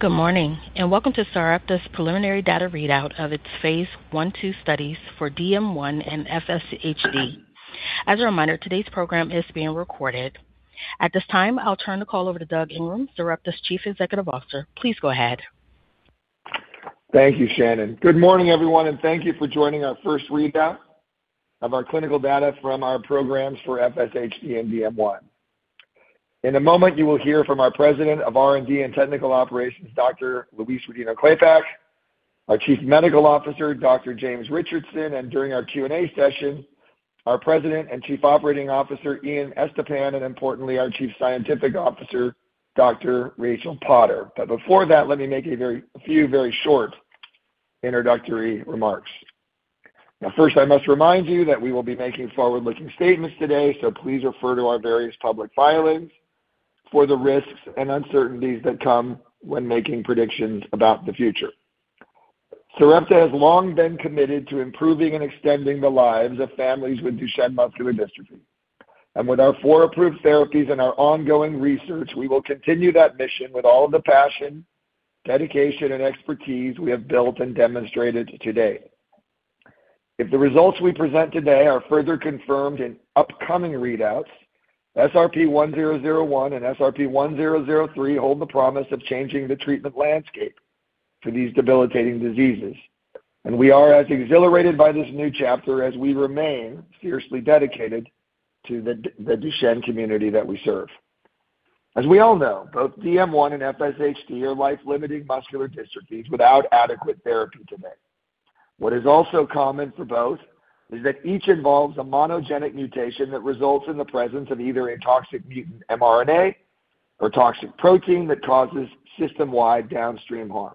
Good morning, and welcome to Sarepta's preliminary data readout of its phase I/II studies for DM1 and FSHD. As a reminder, today's program is being recorded. At this time, I'll turn the call over to Doug Ingram, Sarepta's Chief Executive Officer. Please go ahead. Thank you, Shannon. Good morning, everyone, and thank you for joining our first readout of our clinical data from our programs for FSHD and DM1. In a moment, you will hear from our President of R&D and Technical Operations, Dr. Louise Rodino-Klapac, our Chief Medical Officer, Dr. James Richardson, and during our Q&A session, our President and Chief Operating Officer, Ian Estepan, and importantly, our Chief Scientific Officer, Dr. Rachael Potter. Before that, let me make a few very short introductory remarks. Now first, I must remind you that we will be making forward-looking statements today, so please refer to our various public filings for the risks and uncertainties that come when making predictions about the future. Sarepta has long been committed to improving and extending the lives of families with Duchenne muscular dystrophy. With our four approved therapies and our ongoing research, we will continue that mission with all of the passion, dedication, and expertise we have built and demonstrated today. If the results we present today are further confirmed in upcoming readouts, SRP-1001 and SRP-1003 hold the promise of changing the treatment landscape for these debilitating diseases. We are as exhilarated by this new chapter as we remain fiercely dedicated to the Duchenne community that we serve. As we all know, both DM1 and FSHD are life-limiting muscular dystrophies without adequate therapy today. What is also common for both is that each involves a monogenic mutation that results in the presence of either a toxic mutant mRNA or toxic protein that causes system-wide downstream harm.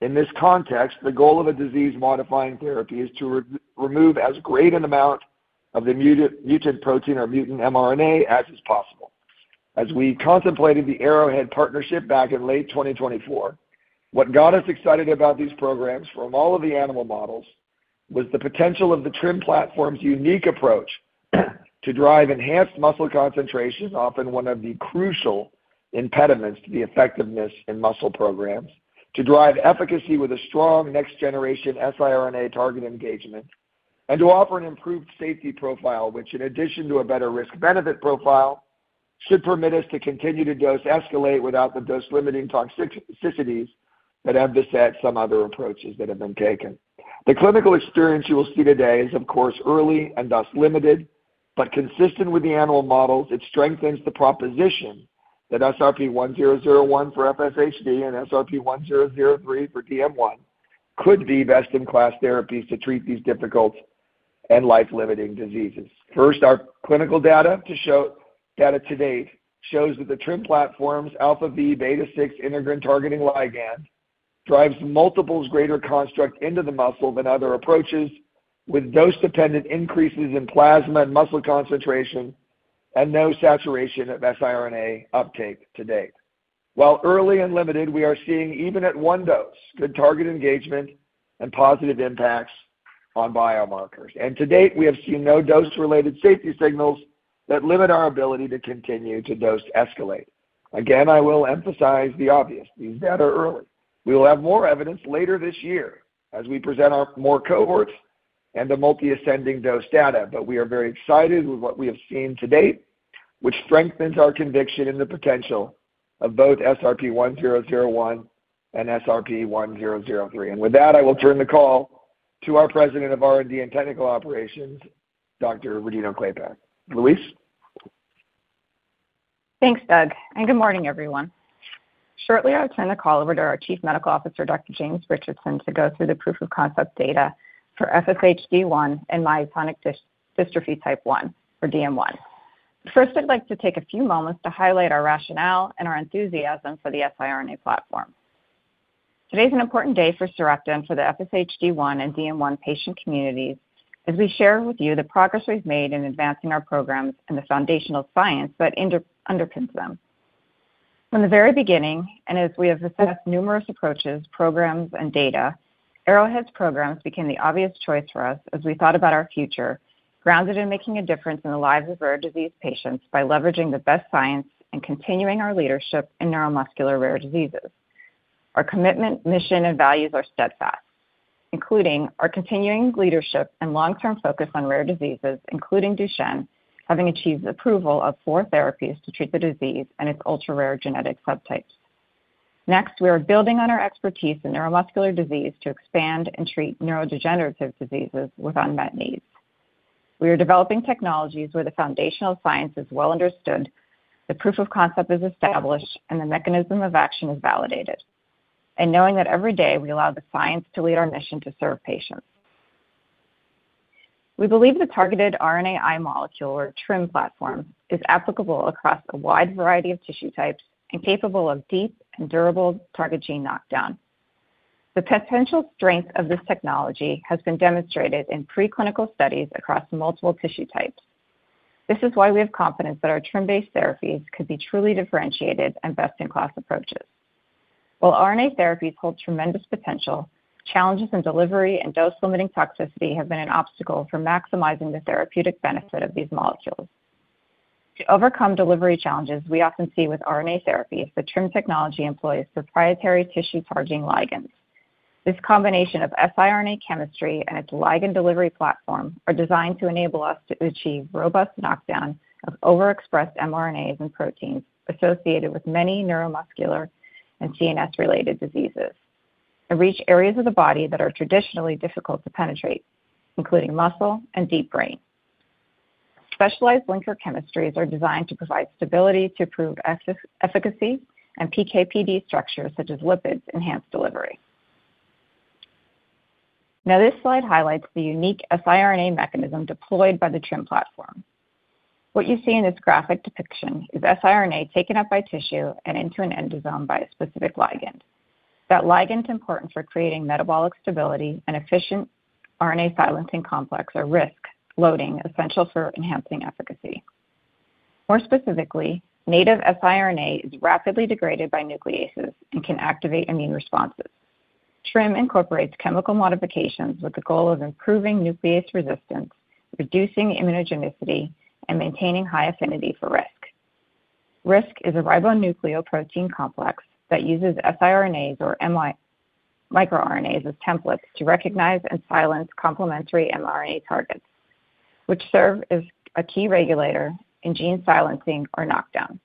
In this context, the goal of a disease-modifying therapy is to remove as great an amount of the mutant protein or mutant mRNA as is possible. As we contemplated the Arrowhead partnership back in late 2024, what got us excited about these programs from all of the animal models was the potential of the TRiM platform's unique approach to drive enhanced muscle concentration, often one of the crucial impediments to the effectiveness in muscle programs to drive efficacy with a strong next generation siRNA target engagement and to offer an improved safety profile, which in addition to a better risk-benefit profile, should permit us to continue to dose escalate without the dose-limiting toxicities that have beset some other approaches that have been taken. The clinical experience you will see today is of course early and thus limited, but consistent with the animal models, it strengthens the proposition that SRP-1001 for FSHD and SRP-1003 for DM1 could be best in class therapies to treat these difficult and life-limiting diseases. First, our clinical data to date shows that the TRiM platform's αvβ6 integrin-targeting ligand drives multiples greater construct into the muscle than other approaches with dose-dependent increases in plasma and muscle concentration and no saturation of siRNA uptake to date. While early and limited, we are seeing even at one dose, good target engagement and positive impacts on biomarkers. To date, we have seen no dose-related safety signals that limit our ability to continue to dose escalate. Again, I will emphasize the obvious, these data are early. We will have more evidence later this year as we present our more cohorts and the multi-ascending dose data. We are very excited with what we have seen to date, which strengthens our conviction in the potential of both SRP-1001 and SRP-1003. With that, I will turn the call to our President of R&D and Technical Operations, Dr. Rodino-Klapac. Louise. Thanks, Doug, and good morning, everyone. Shortly, I'll turn the call over to our Chief Medical Officer, Dr. James Richardson, to go through the proof of concept data for FSHD1 and myotonic dystrophy type 1 for DM1. First, I'd like to take a few moments to highlight our rationale and our enthusiasm for the siRNA platform. Today's an important day for Sarepta and for the FSHD1 and DM1 patient communities as we share with you the progress we've made in advancing our programs and the foundational science that underpins them. From the very beginning, and as we have assessed numerous approaches, programs and data, Arrowhead's programs became the obvious choice for us as we thought about our future, grounded in making a difference in the lives of rare disease patients by leveraging the best science and continuing our leadership in neuromuscular rare diseases. Our commitment, mission, and values are steadfast, including our continuing leadership and long-term focus on rare diseases, including Duchenne, having achieved approval of four therapies to treat the disease and its ultra-rare genetic subtypes. Next, we are building on our expertise in neuromuscular disease to expand and treat neurodegenerative diseases with unmet needs. We are developing technologies where the foundational science is well understood, the proof of concept is established, and the mechanism of action is validated, and knowing that every day we allow the science to lead our mission to serve patients. We believe the targeted RNAi molecule or TRiM platform is applicable across a wide variety of tissue types and capable of deep and durable target gene knockdown. The potential strength of this technology has been demonstrated in preclinical studies across multiple tissue types. This is why we have confidence that our TRiM-based therapies could be truly differentiated and best-in-class approaches. While RNA therapies hold tremendous potential, challenges in delivery and dose-limiting toxicity have been an obstacle for maximizing the therapeutic benefit of these molecules. To overcome delivery challenges we often see with RNA therapies, the TRiM technology employs proprietary tissue-targeting ligands. This combination of siRNAs chemistry and its ligand delivery platform are designed to enable us to achieve robust knockdown of overexpressed mRNAs and proteins associated with many neuromuscular and CNS-related diseases, and reach areas of the body that are traditionally difficult to penetrate, including muscle and deep brain. Specialized linker chemistries are designed to provide stability to improve efficacy, and PK/PD structures such as lipids enhance delivery. Now, this slide highlights the unique siRNA mechanism deployed by the TRiM platform. What you see in this graphic depiction is siRNA taken up by tissue and into an endosome by a specific ligand. That ligand's important for creating metabolic stability and efficient RNA silencing complex or RISC loading essential for enhancing efficacy. More specifically, native siRNA is rapidly degraded by nucleases and can activate immune responses. TRiM incorporates chemical modifications with the goal of improving nuclease resistance, reducing immunogenicity, and maintaining high affinity for RISC. RISC is a ribonucleoprotein complex that uses siRNAs or microRNAs as templates to recognize and silence complementary mRNA targets, which serve as a key regulator in gene silencing or knockdown.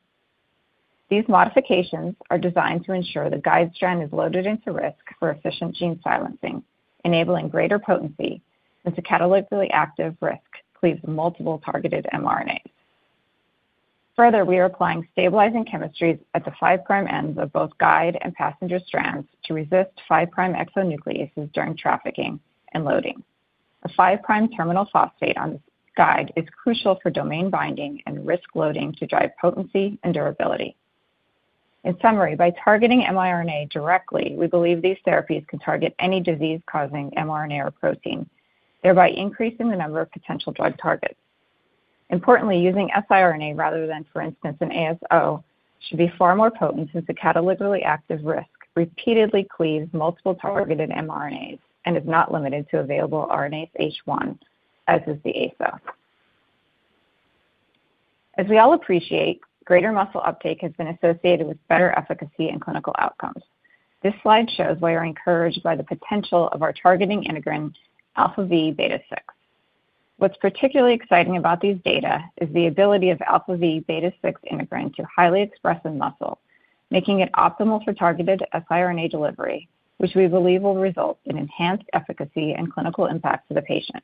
These modifications are designed to ensure the guide strand is loaded into RISC for efficient gene silencing, enabling greater potency as the catalytically active RISC cleaves multiple targeted mRNAs. Further, we are applying stabilizing chemistries at the five-prime ends of both guide and passenger strands to resist five-prime exonucleases during trafficking and loading. A five-prime terminal phosphate on this guide is crucial for domain binding and RISC loading to drive potency and durability. In summary, by targeting miRNA directly, we believe these therapies can target any disease-causing mRNA or protein, thereby increasing the number of potential drug targets. Importantly, using siRNA rather than, for instance, an ASO, should be far more potent since the catalytically active RISC repeatedly cleaves multiple targeted mRNAs and is not limited to available RNaseH1, as is the ASO. As we all appreciate, greater muscle uptake has been associated with better efficacy and clinical outcomes. This slide shows why we're encouraged by the potential of our targeting integrin αvβ6. What's particularly exciting about these data is the ability of αvβ6 integrin to highly express in muscle, making it optimal for targeted siRNA delivery, which we believe will result in enhanced efficacy and clinical impact to the patient.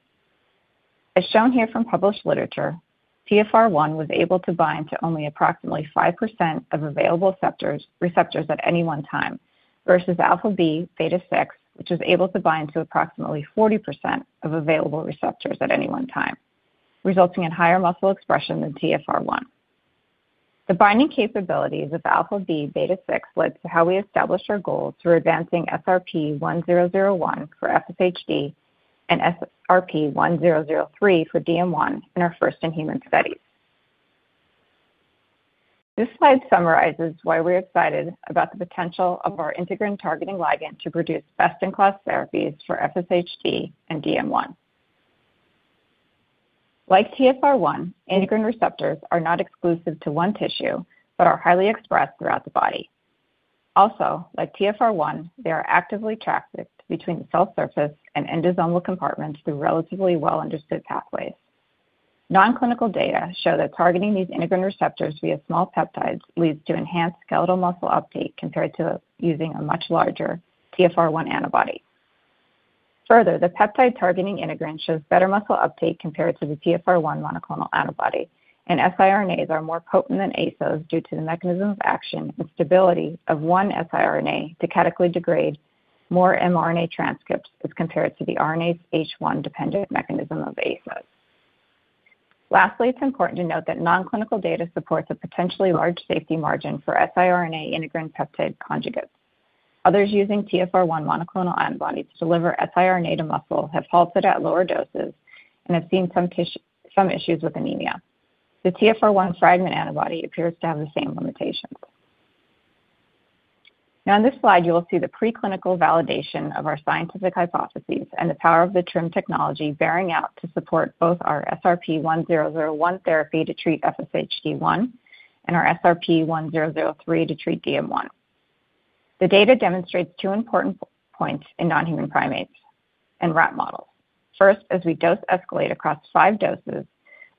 As shown here from published literature, TfR1 was able to bind to only approximately 5% of available receptors at any one time, versus αvβ6, which was able to bind to approximately 40% of available receptors at any one time, resulting in higher muscle expression than TfR1. The binding capabilities of αvβ6 led to how we established our goals for advancing SRP-1001 for FSHD and SRP-1003 for DM1 in our first-in-human studies. This slide summarizes why we're excited about the potential of our integrin-targeting ligand to produce best-in-class therapies for FSHD and DM1. Like TFR1, integrin receptors are not exclusive to one tissue but are highly expressed throughout the body. Also, like TFR1, they are actively trafficked between the cell surface and endosomal compartments through relatively well-understood pathways. Non-clinical data show that targeting these integrin receptors via small peptides leads to enhanced skeletal muscle uptake compared to using a much larger TFR1 antibody. Further, the peptide targeting integrin shows better muscle uptake compared to the TFR1 monoclonal antibody, and siRNAs are more potent than ASOs due to the mechanism of action and stability of one siRNA to catalytically degrade more mRNA transcripts as compared to the RNaseH1 dependent mechanism of ASOs. Lastly, it's important to note that non-clinical data supports a potentially large safety margin for siRNA integrin peptide conjugates. Others using TfR1 monoclonal antibodies to deliver siRNA to muscle have halted at lower doses and have seen some issues with anemia. The TfR1 fragment antibody appears to have the same limitations. Now in this slide, you will see the preclinical validation of our scientific hypotheses and the power of the TRiM technology bearing out to support both our SRP-1001 therapy to treat FSHD1 and our SRP-1003 to treat DM1. The data demonstrates two important points in non-human primates and rat models. First, as we dose escalate across five doses,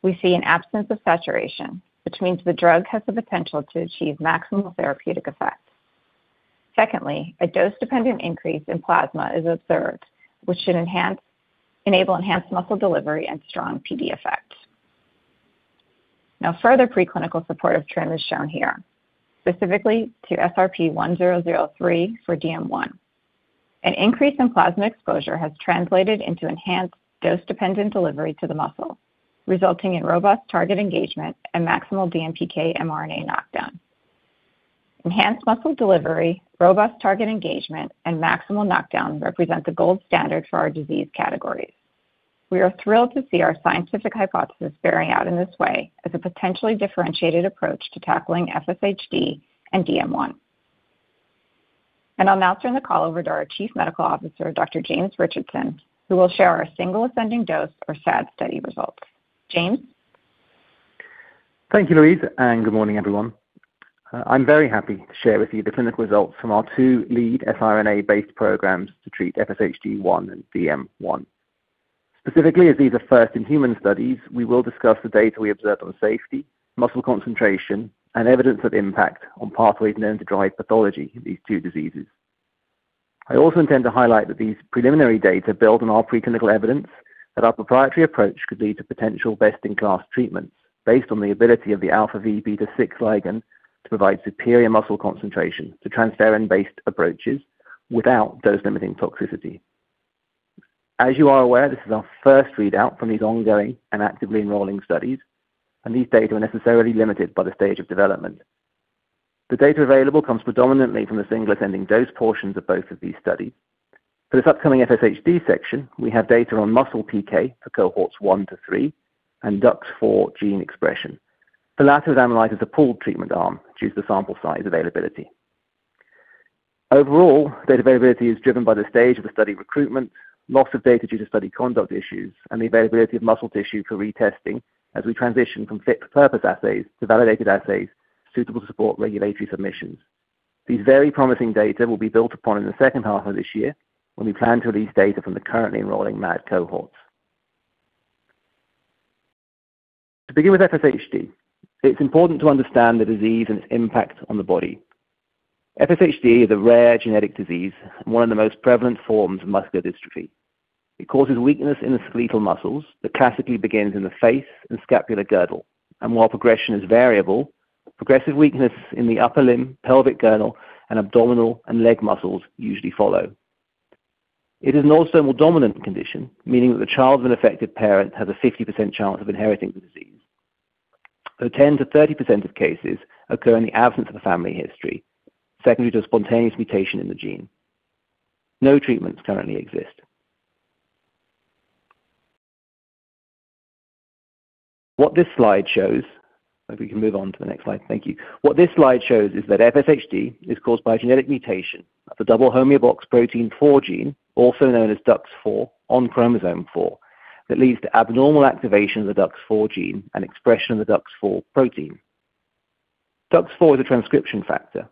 we see an absence of saturation, which means the drug has the potential to achieve maximal therapeutic effects. Secondly, a dose-dependent increase in plasma is observed, which should enable enhanced muscle delivery and strong PD effects. Now, further preclinical support of TRiM is shown here, specifically to SRP-1003 for DM1. An increase in plasma exposure has translated into enhanced dose-dependent delivery to the muscle, resulting in robust target engagement and maximal DMPK mRNA knockdown. Enhanced muscle delivery, robust target engagement, and maximal knockdown represent the gold standard for our disease categories. We are thrilled to see our scientific hypothesis bearing out in this way as a potentially differentiated approach to tackling FSHD and DM1. I'll now turn the call over to our Chief Medical Officer, Dr. James Richardson, who will share our single ascending dose or SAD study results. James. Thank you, Louise, and good morning, everyone. I'm very happy to share with you the clinical results from our two lead siRNA-based programs to treat FSHD1 and DM1. Specifically, as these are first-in-human studies, we will discuss the data we observed on safety, muscle concentration, and evidence of impact on pathways known to drive pathology in these two diseases. I also intend to highlight that these preliminary data build on our preclinical evidence that our proprietary approach could lead to potential best-in-class treatments based on the ability of the αvβ6 ligand to provide superior muscle concentration to transferrin-based approaches without those limiting toxicity. As you are aware, this is our first readout from these ongoing and actively enrolling studies, and these data are necessarily limited by the stage of development. The data available comes predominantly from the single ascending dose portions of both of these studies. For this upcoming FSHD section, we have data on muscle PK for cohorts 1 to 3 and DUX4 gene expression. The latter is analyzed as a pooled treatment arm due to the sample size availability. Overall, data availability is driven by the stage of the study recruitment, loss of data due to study conduct issues, and the availability of muscle tissue for retesting as we transition from fit-for-purpose assays to validated assays suitable to support regulatory submissions. These very promising data will be built upon in the second half of this year when we plan to release data from the currently enrolling MAD cohorts. To begin with FSHD, it's important to understand the disease and its impact on the body. FSHD is a rare genetic disease and one of the most prevalent forms of muscular dystrophy. It causes weakness in the skeletal muscles that classically begins in the face and scapular girdle. While progression is variable, progressive weakness in the upper limb, pelvic girdle, and abdominal and leg muscles usually follow. It is an autosomal dominant condition, meaning that the child of an affected parent has a 50% chance of inheriting the disease. Ten to 30% of cases occur in the absence of a family history, secondary to a spontaneous mutation in the gene. No treatments currently exist. What this slide shows. If we can move on to the next slide. Thank you. What this slide shows is that FSHD is caused by a genetic mutation of the double homeobox protein 4 gene, also known as DUX4 on chromosome 4, that leads to abnormal activation of the DUX4 gene and expression of the DUX4 protein. DUX4 is a transcription factor,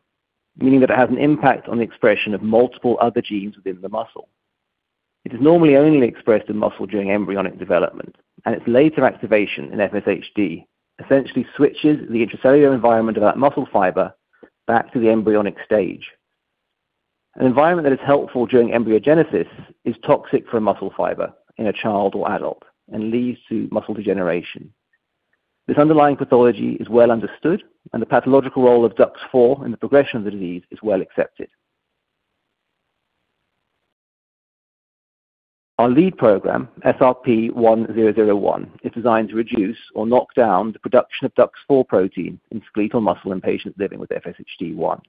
meaning that it has an impact on the expression of multiple other genes within the muscle. It is normally only expressed in muscle during embryonic development, and its later activation in FSHD essentially switches the intracellular environment of that muscle fiber back to the embryonic stage. An environment that is helpful during embryogenesis is toxic for a muscle fiber in a child or adult and leads to muscle degeneration. This underlying pathology is well understood, and the pathological role of DUX4 in the progression of the disease is well accepted. Our lead program, SRP-1001, is designed to reduce or knock down the production of DUX4 protein in skeletal muscle in patients living with FSHD1.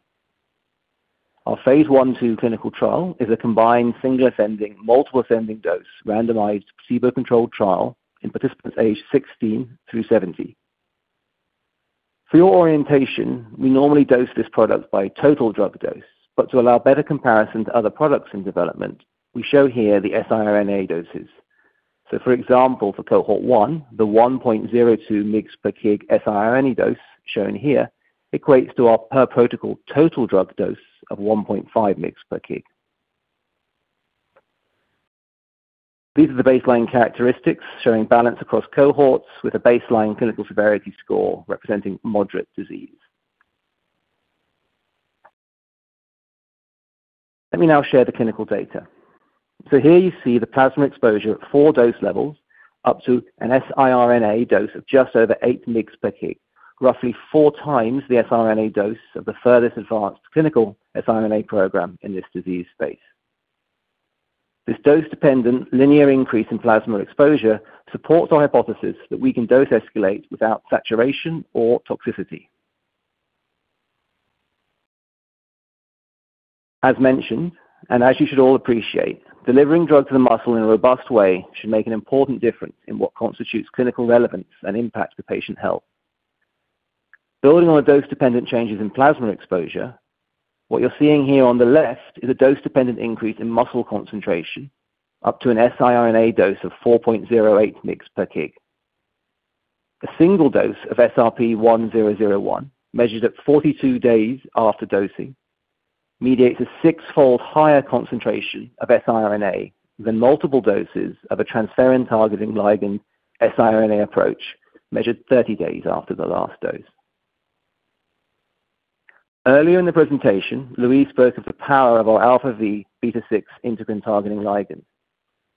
Our phase I/II clinical trial is a combined single ascending, multiple ascending dose randomized placebo-controlled trial in participants aged 16 through 70. For your orientation, we normally dose this product by total drug dose, but to allow better comparison to other products in development, we show here the siRNA doses. For example, for cohort 1, the 1.02 mg/kg siRNA dose shown here equates to our per protocol total drug dose of 1.5 mg/kg. These are the baseline characteristics showing balance across cohorts with a baseline clinical severity score representing moderate disease. Let me now share the clinical data. Here you see the plasma exposure at four dose levels up to an siRNA dose of just over 8 mg/kg, roughly four times the siRNA dose of the furthest advanced clinical siRNA program in this disease space. This dose-dependent linear increase in plasma exposure supports our hypothesis that we can dose escalate without saturation or toxicity. As mentioned, and as you should all appreciate, delivering drugs to the muscle in a robust way should make an important difference in what constitutes clinical relevance and impact to patient health. Building on the dose-dependent changes in plasma exposure, what you're seeing here on the left is a dose-dependent increase in muscle concentration up to an siRNA dose of 4.08 mg/kg. A single dose of SRP-1001, measured at 42 days after dosing, mediates a sixfold higher concentration of siRNA than multiple doses of a transferrin targeting ligand siRNA approach measured 30 days after the last dose. Earlier in the presentation, Louise spoke of the power of our αvβ6 integrin targeting ligand.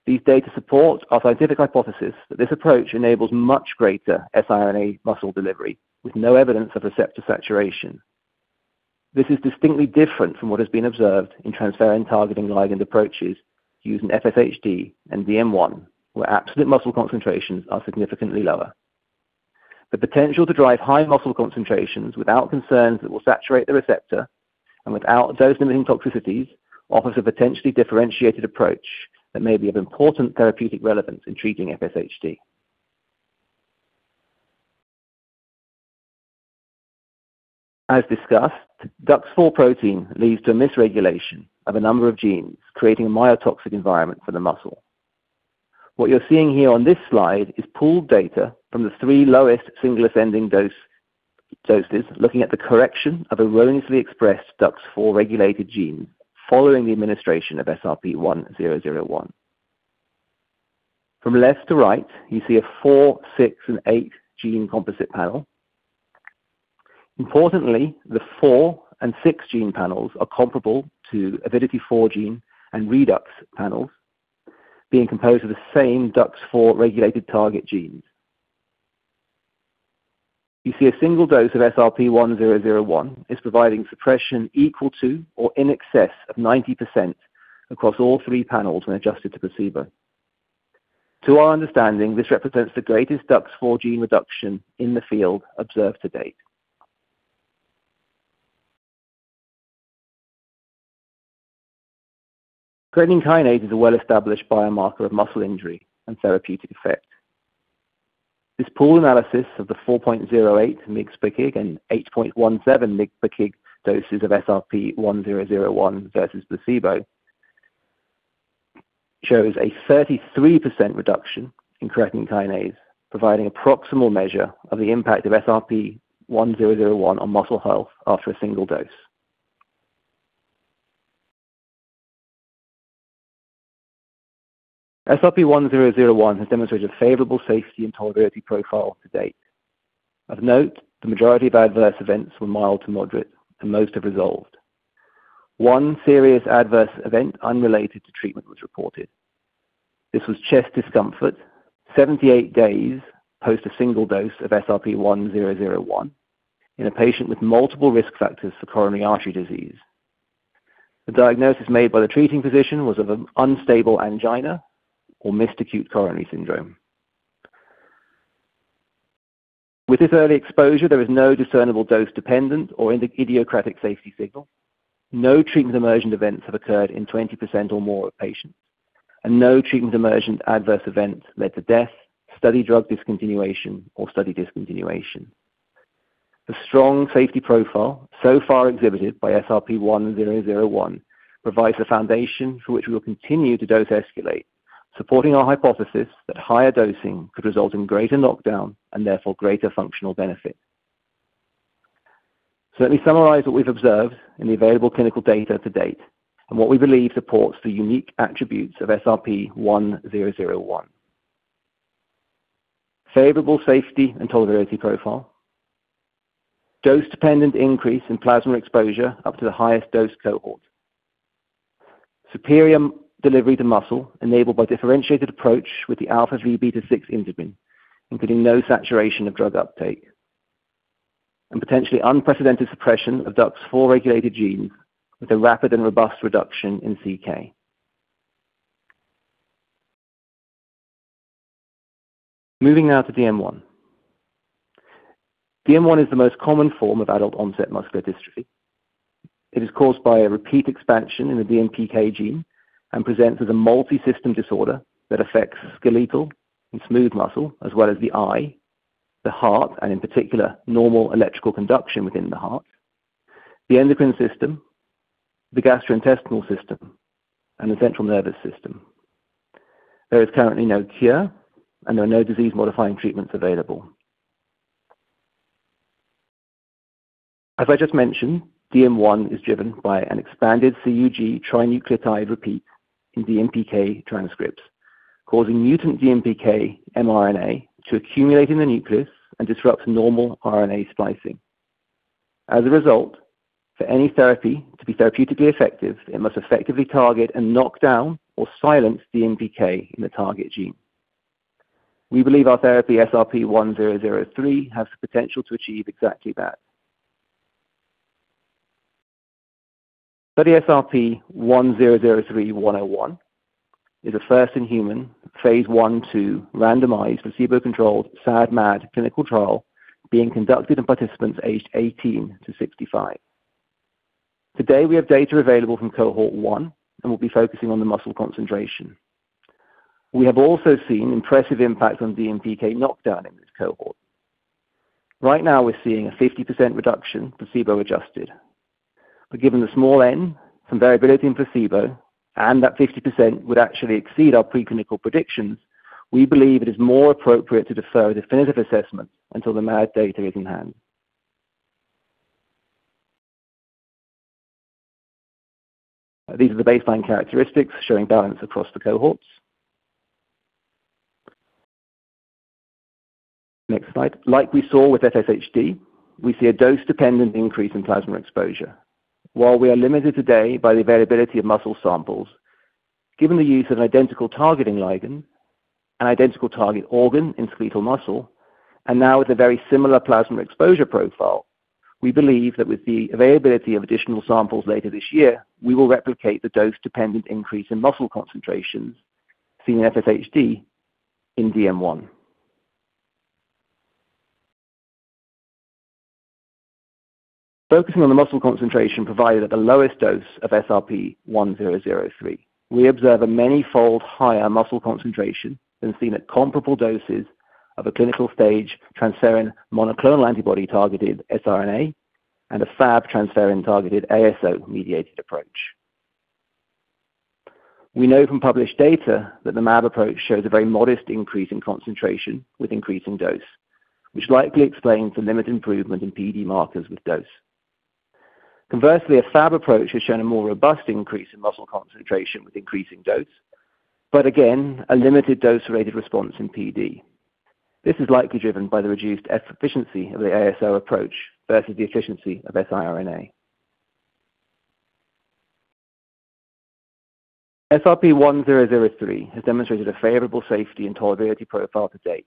These data support our scientific hypothesis that this approach enables much greater siRNA muscle delivery with no evidence of receptor saturation. This is distinctly different from what has been observed in transferrin targeting ligand approaches used in FSHD and DM1, where absolute muscle concentrations are significantly lower. The potential to drive high muscle concentrations without concerns that will saturate the receptor and without dose-limiting toxicities offers a potentially differentiated approach that may be of important therapeutic relevance in treating FSHD. As discussed, DUX4 protein leads to misregulation of a number of genes, creating a myotoxic environment for the muscle. What you're seeing here on this slide is pooled data from the three lowest single ascending doses, looking at the correction of erroneously expressed DUX4 regulated genes following the administration of SRP-1001. From left to right, you see a 4, 6, and 8 gene composite panel. Importantly, the 4 and 6 gene panels are comparable to Avidity 4 gene and ReDUX4 panels being composed of the same DUX4 regulated target genes. You see a single dose of SRP-1001 is providing suppression equal to or in excess of 90% across all three panels when adjusted to placebo. To our understanding, this represents the greatest DUX4 gene reduction in the field observed to date. Creatine kinase is a well-established biomarker of muscle injury and therapeutic effect. This pooled analysis of the 4.08 mg/kg and 8.17 mg/kg doses of SRP-1001 versus placebo shows a 33% reduction in creatine kinase, providing a proximal measure of the impact of SRP-1001 on muscle health after a single dose. SRP-1001 has demonstrated a favorable safety and tolerability profile to date. Of note, the majority of adverse events were mild to moderate and most have resolved. One serious adverse event unrelated to treatment was reported. This was chest discomfort 78 days post a single dose of SRP-1001 in a patient with multiple risk factors for coronary artery disease. The diagnosis made by the treating physician was of an unstable angina or missed acute coronary syndrome. With this early exposure, there is no discernible dose-dependent or idiosyncratic safety signal. No treatment-emergent events have occurred in 20% or more of patients, and no treatment-emergent adverse events led to death, study drug discontinuation, or study discontinuation. The strong safety profile so far exhibited by SRP-1001 provides the foundation for which we will continue to dose escalate, supporting our hypothesis that higher dosing could result in greater knockdown and therefore greater functional benefit. Let me summarize what we've observed in the available clinical data to date and what we believe supports the unique attributes of SRP-1001. Favorable safety and tolerability profile. Dose-dependent increase in plasma exposure up to the highest dose cohort. Superior delivery to muscle enabled by differentiated approach with the αvβ6 integrin, including no saturation of drug uptake, and potentially unprecedented suppression of DUX4-regulated genes with a rapid and robust reduction in CK. Moving now to DM1. DM1 is the most common form of adult-onset muscular dystrophy. It is caused by a repeat expansion in the DMPK gene and presents as a multi-system disorder that affects skeletal and smooth muscle as well as the eye, the heart, and in particular, normal electrical conduction within the heart, the endocrine system, the gastrointestinal system, and the central nervous system. There is currently no cure and there are no disease-modifying treatments available. As I just mentioned, DM1 is driven by an expanded CUG trinucleotide repeat in DMPK transcripts, causing mutant DMPK mRNA to accumulate in the nucleus and disrupt normal RNA splicing. As a result, for any therapy to be therapeutically effective, it must effectively target and knock down or silence DMPK in the target gene. We believe our therapy, SRP-1003, has the potential to achieve exactly that. Study SRP-1003-101 is a first-in-human phase I/II randomized placebo-controlled SAD/MAD clinical trial being conducted in participants aged 18-65. Today, we have data available from cohort 1 and we'll be focusing on the muscle concentration. We have also seen impressive impact on DMPK knockdown in this cohort. Right now we're seeing a 50% reduction, placebo adjusted. Given the n, some variability in placebo and that 50% would actually exceed our preclinical predictions, we believe it is more appropriate to defer a definitive assessment until the MAD data is in hand. These are the baseline characteristics showing balance across the cohorts. Next slide. Like we saw with FSHD, we see a dose-dependent increase in plasma exposure. While we are limited today by the availability of muscle samples, given the use of an identical targeting ligand, an identical target organ in skeletal muscle, and now with a very similar plasma exposure profile, we believe that with the availability of additional samples later this year, we will replicate the dose-dependent increase in muscle concentrations seen in FSHD in DM1. Focusing on the muscle concentration provided at the lowest dose of SRP-1003, we observe a manyfold higher muscle concentration than seen at comparable doses of a clinical stage transferrin monoclonal antibody targeted siRNA and a Fab transferrin-targeted ASO-mediated approach. We know from published data that the mAb approach shows a very modest increase in concentration with increasing dose, which likely explains the limited improvement in PD markers with dose. Conversely, a Fab approach has shown a more robust increase in muscle concentration with increasing dose, but again, a limited dose-related response in PD. This is likely driven by the reduced efficiency of the ASO approach versus the efficiency of siRNA. SRP-1003 has demonstrated a favorable safety and tolerability profile to date.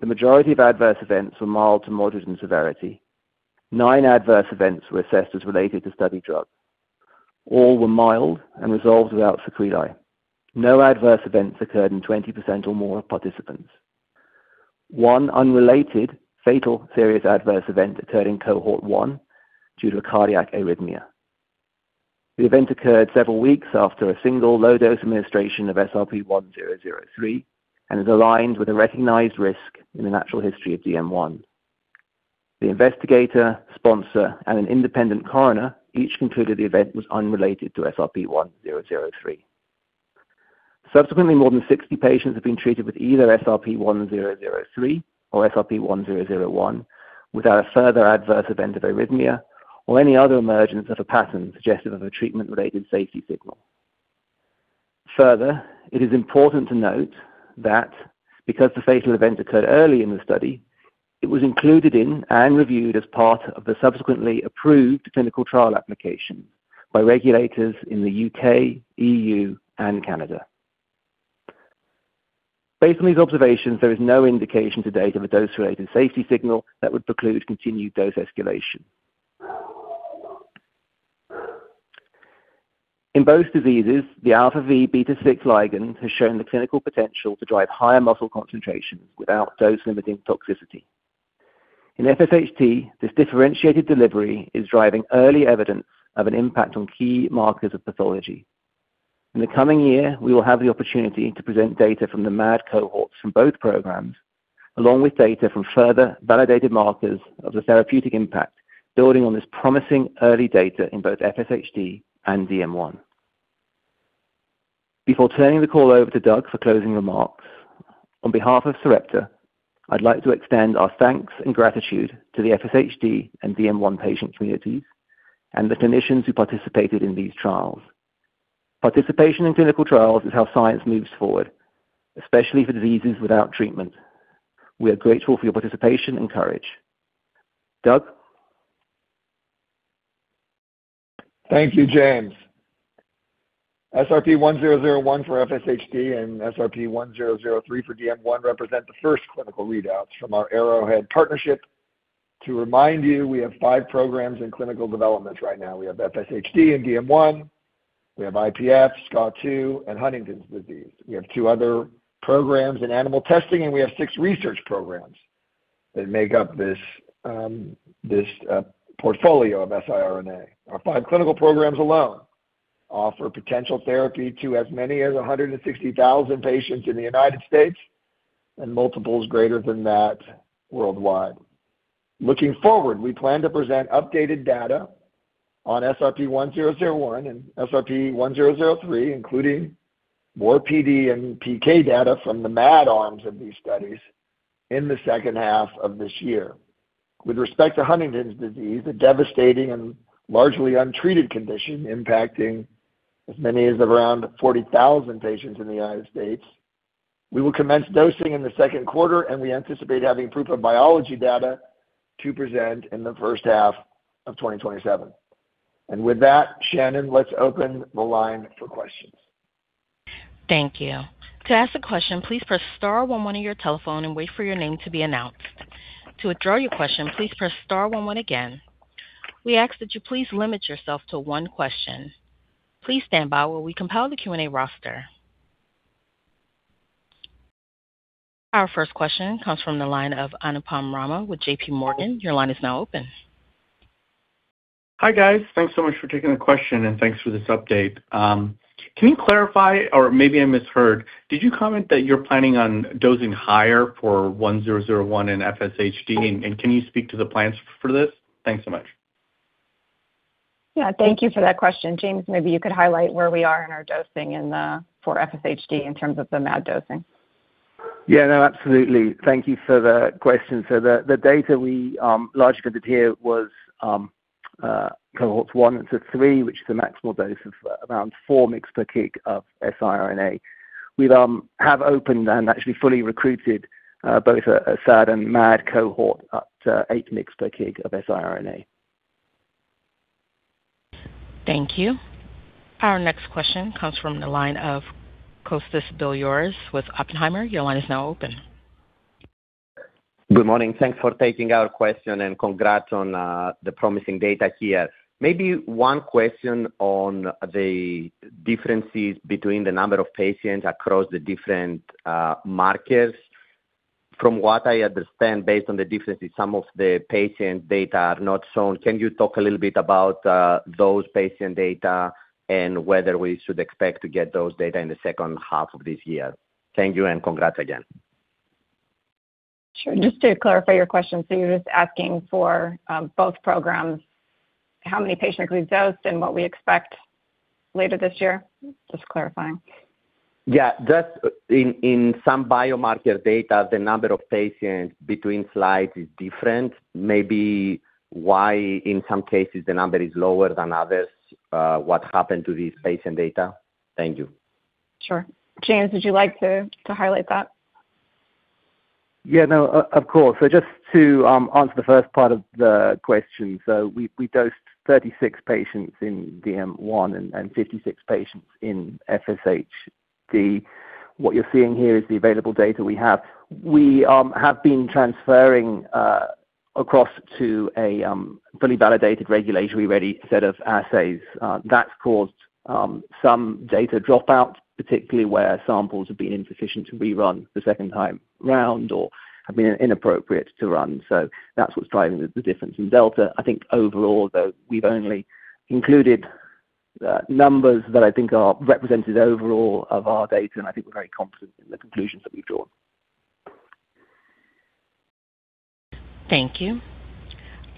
The majority of adverse events were mild to moderate in severity. Nine adverse events were assessed as related to study drug. All were mild and resolved without sequelae. No adverse events occurred in 20% or more of participants. One unrelated fatal serious adverse event occurred in cohort 1 due to a cardiac arrhythmia. The event occurred several weeks after a single low dose administration of SRP-1003 and is aligned with a recognized risk in the natural history of DM1. The investigator, sponsor and an independent coroner each concluded the event was unrelated to SRP-1003. Subsequently, more than 60 patients have been treated with either SRP-1003 or SRP-1001 without a further adverse event of arrhythmia or any other emergence of a pattern suggestive of a treatment-related safety signal. Further, it is important to note that because the fatal event occurred early in the study, it was included in and reviewed as part of the subsequently approved clinical trial application by regulators in the U.K., EU and Canada. Based on these observations, there is no indication to date of a dose-related safety signal that would preclude continued dose escalation. In both diseases, the αvβ6 ligand has shown the clinical potential to drive higher muscle concentrations without dose-limiting toxicity. In FSHD, this differentiated delivery is driving early evidence of an impact on key markers of pathology. In the coming year, we will have the opportunity to present data from the MAD cohorts from both programs, along with data from further validated markers of the therapeutic impact building on this promising early data in both FSHD and DM1. Before turning the call over to Doug for closing remarks, on behalf of Sarepta, I'd like to extend our thanks and gratitude to the FSHD and DM1 patient communities and the clinicians who participated in these trials. Participation in clinical trials is how science moves forward, especially for diseases without treatment. We are grateful for your participation and courage. Doug. Thank you, James. SRP-1001 for FSHD and SRP-1003 for DM1 represent the first clinical readouts from our Arrowhead partnership. To remind you, we have 5 programs in clinical development right now. We have FSHD and DM1. We have IPF, SCA2, and Huntington's disease. We have two other programs in animal testing, and we have six research programs that make up this portfolio of siRNA. Our 5 clinical programs alone offer potential therapy to as many as 160,000 patients in the United States and multiples greater than that worldwide. Looking forward, we plan to present updated data on SRP-1001 and SRP-1003, including more PD and PK data from the MAD arms of these studies in the second half of this year. With respect to Huntington's disease, a devastating and largely untreated condition impacting as many as around 40,000 patients in the United States, we will commence dosing in the second quarter, and we anticipate having proof of biology data to present in the first half of 2027. With that, Shannon, let's open the line for questions. Thank you. To ask a question, please press star one one on your telephone and wait for your name to be announced. To withdraw your question, please press star one one again. We ask that you please limit yourself to one question. Please stand by while we compile the Q&A roster. Our first question comes from the line of Anupam Rama with JPMorgan. Your line is now open. Hi, guys. Thanks so much for taking the question, and thanks for this update. Can you clarify, or maybe I misheard, did you comment that you're planning on dosing higher for 1001 in FSHD? Can you speak to the plans for this? Thanks so much. Yeah, thank you for that question. James, maybe you could highlight where we are in our dosing for FSHD in terms of the MAD dosing. Yeah, no, absolutely. Thank you for the question. The data we largely presented here was cohorts 1 to 3, which is a maximal dose of around 4 mg/kg of siRNA. We have opened and actually fully recruited both a SAD and MAD cohort up to 8 mg/kg of siRNA. Thank you. Our next question comes from the line of Kostas Biliouris with Oppenheimer. Your line is now open. Good morning. Thanks for taking our question, and congrats on the promising data here. Maybe one question on the differences between the number of patients across the different markers. From what I understand, based on the differences, some of the patient data are not shown. Can you talk a little bit about those patient data and whether we should expect to get those data in the second half of this year? Thank you, and congrats again. Sure. Just to clarify your question, so you're just asking for both programs, how many patients we dosed and what we expect later this year? Just clarifying. Yeah. Just in some biomarker data, the number of patients between slides is different. Maybe why, in some cases the number is lower than others, what happened to these patient data? Thank you. Sure. James, would you like to highlight that? Yeah, no, of course. Just to answer the first part of the question. We dosed 36 patients in DM1 and 56 patients in FSHD. What you're seeing here is the available data we have. We have been transferring across to a fully validated regulatory-ready set of assays. That's caused some data dropout, particularly where samples have been insufficient to rerun the second time round or have been inappropriate to run. That's what's driving the difference in delta. I think overall, though, we've only included numbers that I think are representative overall of our data, and I think we're very confident in the conclusions that we've drawn. Thank you.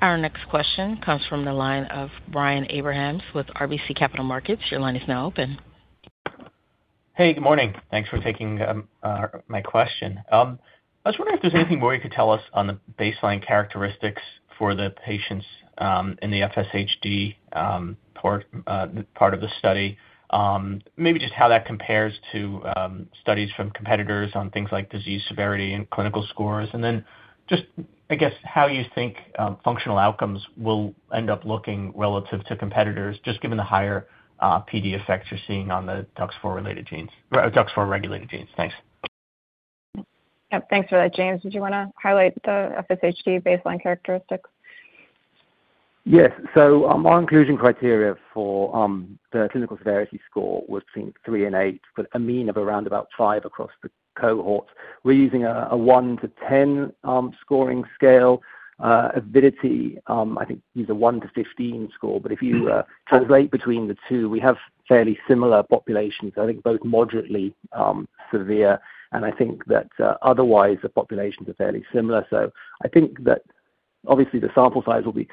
Our next question comes from the line of Brian Abrahams with RBC Capital Markets. Your line is now open. Hey, good morning. Thanks for taking my question. I was wondering if there's anything more you could tell us on the baseline characteristics for the patients in the FSHD part of the study. Maybe just how that compares to studies from competitors on things like disease severity and clinical scores. Just, I guess, how you think functional outcomes will end up looking relative to competitors, just given the higher PD effects you're seeing on the DUX4-related genes or DUX4-regulated genes. Thanks. Yep, thanks for that. James, did you wanna highlight the FSHD baseline characteristics? Yes. Our inclusion criteria for the clinical severity score was between 3 and 8, with a mean of around about 5 across the cohorts. We're using a 1-10 scoring scale. Avidity, I think, uses a 1-15 score. If you- Mm-hmm. To translate between the two, we have fairly similar populations. I think both moderately severe. I think that otherwise the populations are fairly similar. I think that obviously the sample size will be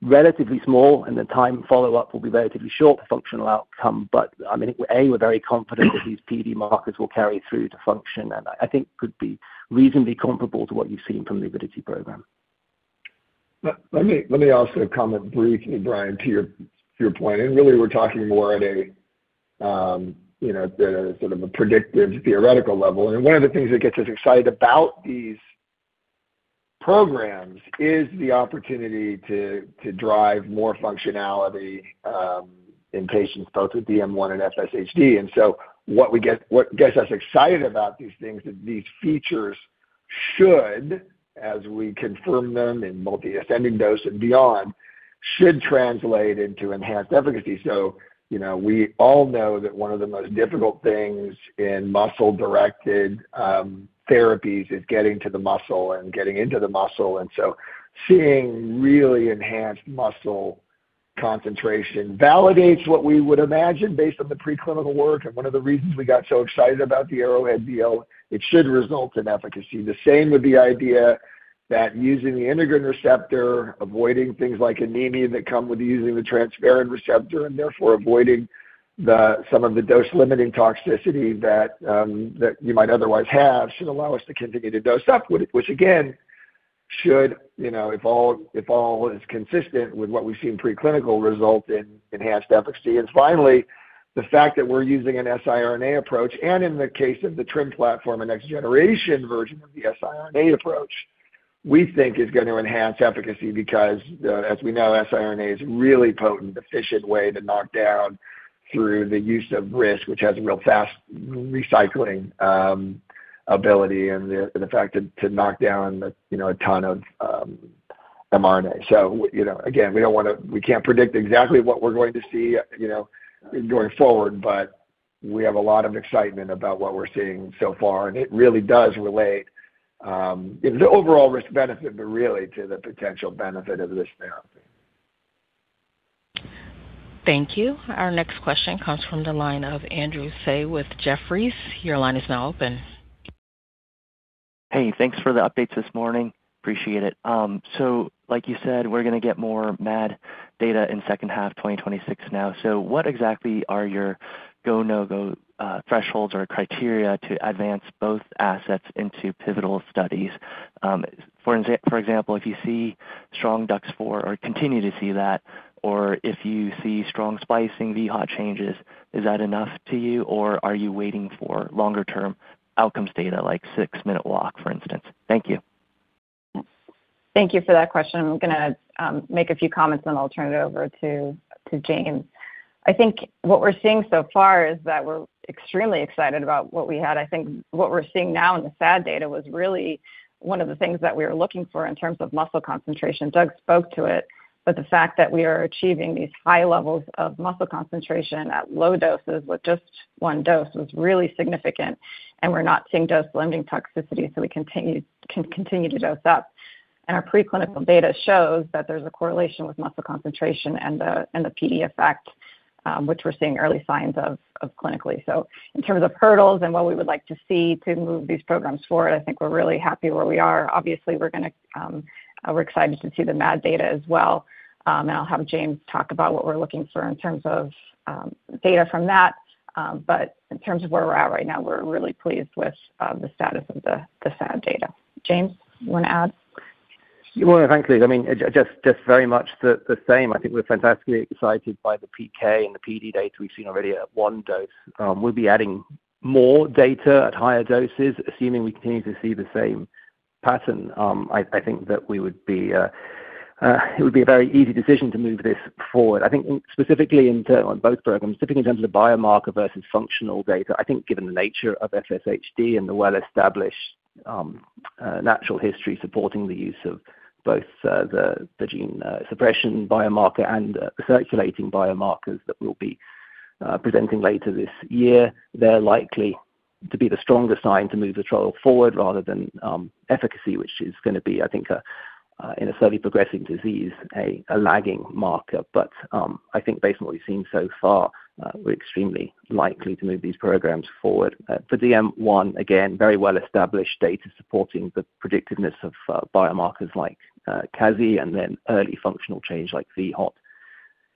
relatively small and the time follow-up will be relatively short for functional outcome. I mean, we're very confident that these PD markers will carry through to function, and I think could be reasonably comparable to what you've seen from the Avidity program. Let me also comment briefly, Brian, to your point, and really we're talking more at a you know the sort of a predictive theoretical level. One of the things that gets us excited about these programs is the opportunity to drive more functionality in patients both with DM1 and FSHD. What gets us excited about these things is these features should, as we confirm them in multiple ascending dose and beyond, should translate into enhanced efficacy. You know, we all know that one of the most difficult things in muscle-directed therapies is getting to the muscle and getting into the muscle. Seeing really enhanced muscle concentration validates what we would imagine based on the preclinical work. One of the reasons we got so excited about the Arrowhead deal, it should result in efficacy. The same with the idea that using the integrin receptor, avoiding things like anemia that come with using the transferrin receptor and therefore avoiding some of the dose-limiting toxicity that you might otherwise have, should allow us to continue to dose up, which again should, you know, if all is consistent with what we've seen preclinically result in enhanced efficacy. Finally, the fact that we're using an siRNA approach, and in the case of the TRiM platform, a next generation version of the siRNA approach, we think is going to enhance efficacy because as we know, siRNA is a really potent, efficient way to knock down through the use of RISC, which has a real fast recycling ability and the fact to knock down you know a ton of mRNA. You know, again, we can't predict exactly what we're going to see you know going forward, but we have a lot of excitement about what we're seeing so far, and it really does relate the overall risk-benefit, but really to the potential benefit of this therapy. Thank you. Our next question comes from the line of Andrew Tsai with Jefferies. Your line is now open. Hey, thanks for the updates this morning. Appreciate it. Like you said, we're gonna get more MAD data in second half 2026 now. What exactly are your go/no-go thresholds or criteria to advance both assets into pivotal studies? For example, if you see strong DUX4 or continue to see that, or if you see strong splicing vHOT changes, is that enough for you, or are you waiting for longer term outcomes data like six-minute walk, for instance? Thank you. Thank you for that question. I'm gonna make a few comments then I'll turn it over to James. I think what we're seeing so far is that we're extremely excited about what we had. I think what we're seeing now in the SAD data was really one of the things that we were looking for in terms of muscle concentration. Doug spoke to it, but the fact that we are achieving these high levels of muscle concentration at low doses with just one dose was really significant. We're not seeing dose-limiting toxicity, so we can continue to dose up. Our preclinical data shows that there's a correlation with muscle concentration and the PD effect, which we're seeing early signs of clinically. In terms of hurdles and what we would like to see to move these programs forward, I think we're really happy where we are. Obviously, we're excited to see the MAD data as well. I'll have James talk about what we're looking for in terms of data from that. In terms of where we're at right now, we're really pleased with the status of the SAD data. James, you wanna add? Well, frankly, I mean, just very much the same. I think we're fantastically excited by the PK and the PD data we've seen already at one dose. We'll be adding more data at higher doses, assuming we continue to see the same pattern. I think it would be a very easy decision to move this forward. I think specifically on both programs, specifically in terms of the biomarker versus functional data, I think given the nature of FSHD and the well-established natural history supporting the use of both the gene suppression biomarker and circulating biomarkers that we'll be presenting later this year. They're likely to be the strongest sign to move the trial forward rather than efficacy, which is gonna be, I think, in a slowly progressing disease, a lagging marker. I think based on what we've seen so far, we're extremely likely to move these programs forward. For DM1, again, very well established data supporting the predictiveness of biomarkers like CASI and then early functional change like vHOT.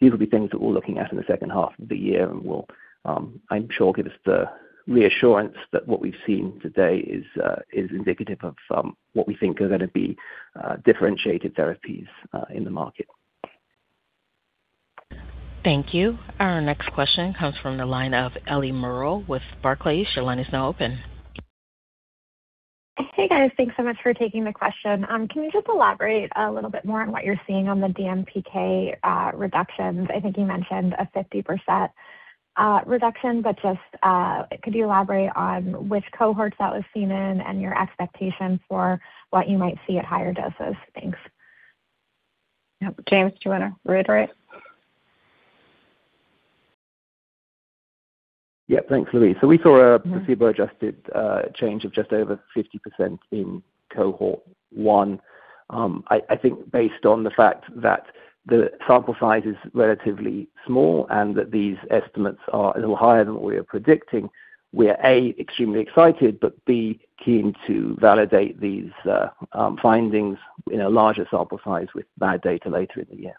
These will be things that we're looking at in the second half of the year and will, I'm sure, give us the reassurance that what we've seen today is indicative of what we think are gonna be differentiated therapies in the market. Thank you. Our next question comes from the line of Ellie Merle with Barclays. Your line is now open. Hey, guys. Thanks so much for taking the question. Can you just elaborate a little bit more on what you're seeing on the DMPK reductions? I think you mentioned a 50% reduction, but just could you elaborate on which cohorts that was seen in and your expectation for what you might see at higher doses? Thanks. James, do you wanna reiterate? Yeah. Thanks, Louise. We saw a placebo-adjusted change of just over 50% in cohort 1. I think based on the fact that the sample size is relatively small and that these estimates are a little higher than what we are predicting, we are A, extremely excited, but B, keen to validate these findings in a larger sample size with data later in the year.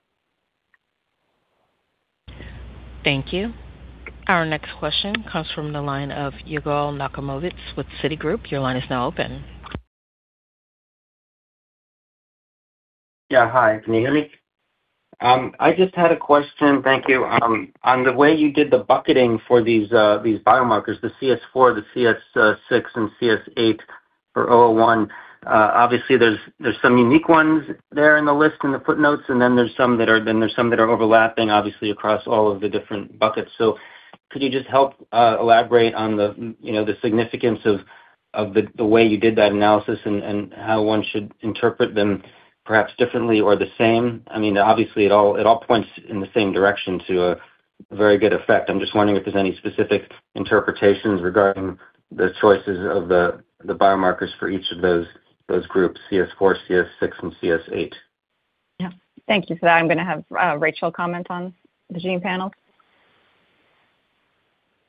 Thank you. Our next question comes from the line of Yigal Nochomovitz with Citigroup. Your line is now open. Hi, can you hear me? I just had a question. Thank you. On the way you did the bucketing for these biomarkers, the CXCR4, the CST6, and CST8 for SRP-1001. Obviously, there's some unique ones there in the list in the footnotes, and then there's some that are overlapping, obviously, across all of the different buckets. Could you just help elaborate on the significance of the way you did that analysis and how one should interpret them perhaps differently or the same? I mean, obviously it all points in the same direction to a very good effect. I'm just wondering if there's any specific interpretations regarding the choices of the biomarkers for each of those groups, CXCR4, CST6, and CST8. Yeah. Thank you for that. I'm gonna have Rachael comment on the gene panel.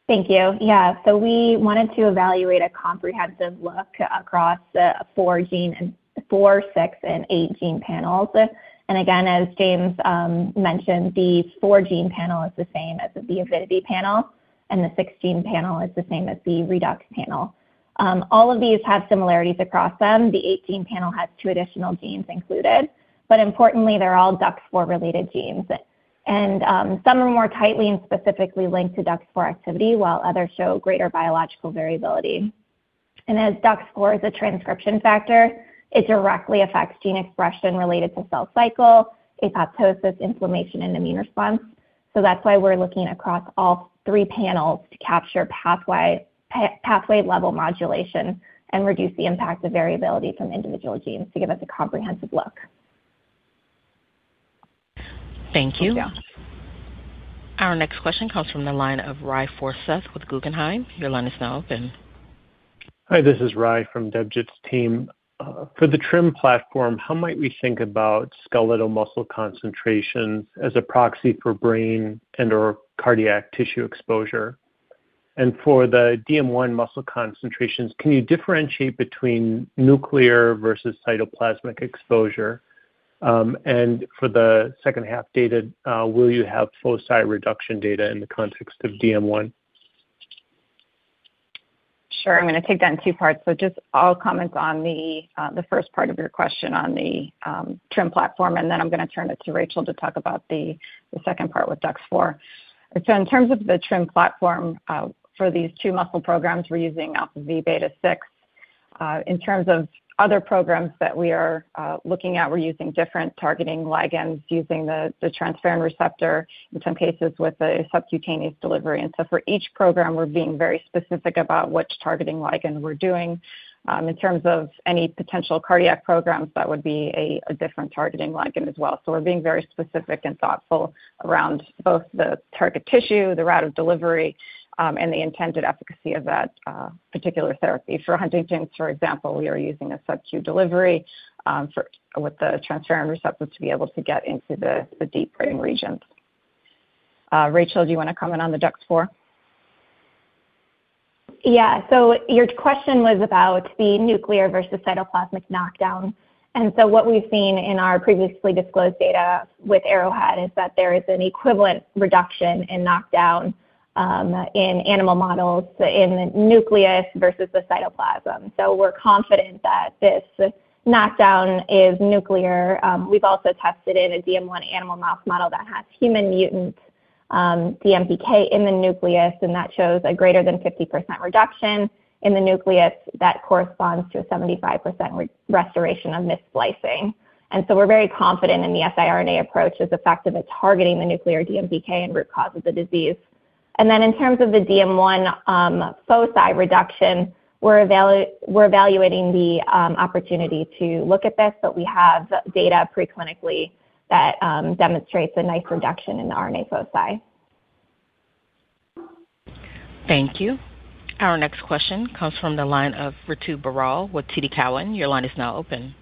Thank you. Yeah. We wanted to evaluate a comprehensive look across the four, six, and eight gene panels. Again, as James mentioned, the four gene panel is the same as the Avidity panel, and the six gene panel is the same as the ReDUX4 panel. All of these have similarities across them. The eight gene panel has two additional genes included. Importantly, they're all DUX4-related genes. Some are more tightly and specifically linked to DUX4 activity, while others show greater biological variability. As DUX4 is a transcription factor, it directly affects gene expression related to cell cycle, apoptosis, inflammation, and immune response. That's why we're looking across all three panels to capture pathway level modulation and reduce the impact of variability from individual genes to give us a comprehensive look. Thank you. Yeah. Our next question comes from the line of Ry Forseth with Guggenheim. Your line is now open. Hi, this is Ry from Debjit's team. For the TRiM platform, how might we think about skeletal muscle concentrations as a proxy for brain and/or cardiac tissue exposure? For the DM1 muscle concentrations, can you differentiate between nuclear versus cytoplasmic exposure? For the second half data, will you have foci reduction data in the context of DM1? Sure. I'm gonna take that in two parts. Just I'll comment on the first part of your question on the TRiM platform, and then I'm gonna turn it to Rachael to talk about the second part with DUX4. In terms of the TRiM platform, for these two muscle programs, we're using αvβ6. In terms of other programs that we are looking at, we're using different targeting ligands, using the transferrin receptor, in some cases with a subcutaneous delivery. For each program, we're being very specific about which targeting ligand we're doing. In terms of any potential cardiac programs, that would be a different targeting ligand as well. We're being very specific and thoughtful around both the target tissue, the route of delivery, and the intended efficacy of that particular therapy. For Huntington's, for example, we are using a subcu delivery with the transferrin receptor to be able to get into the deep brain regions. Rachael, do you wanna comment on the DUX4? Yeah. Your question was about the nuclear versus cytoplasmic knockdown. What we've seen in our previously disclosed data with Arrowhead is that there is an equivalent reduction in knockdown in animal models in the nucleus versus the cytoplasm. We're confident that this knockdown is nuclear. We've also tested in a DM1 animal mouse model that has human mutant DMPK in the nucleus, and that shows a greater than 50% reduction in the nucleus that corresponds to a 75% restoration of missplicing. We're very confident in the siRNA approach as effective at targeting the nuclear DMPK and root cause of the disease. In terms of the DM1 foci reduction, we're evaluating the opportunity to look at this, but we have data preclinically that demonstrates a nice reduction in the RNA foci. Thank you. Our next question comes from the line of Ritu Baral with TD Cowen. Your line is now open.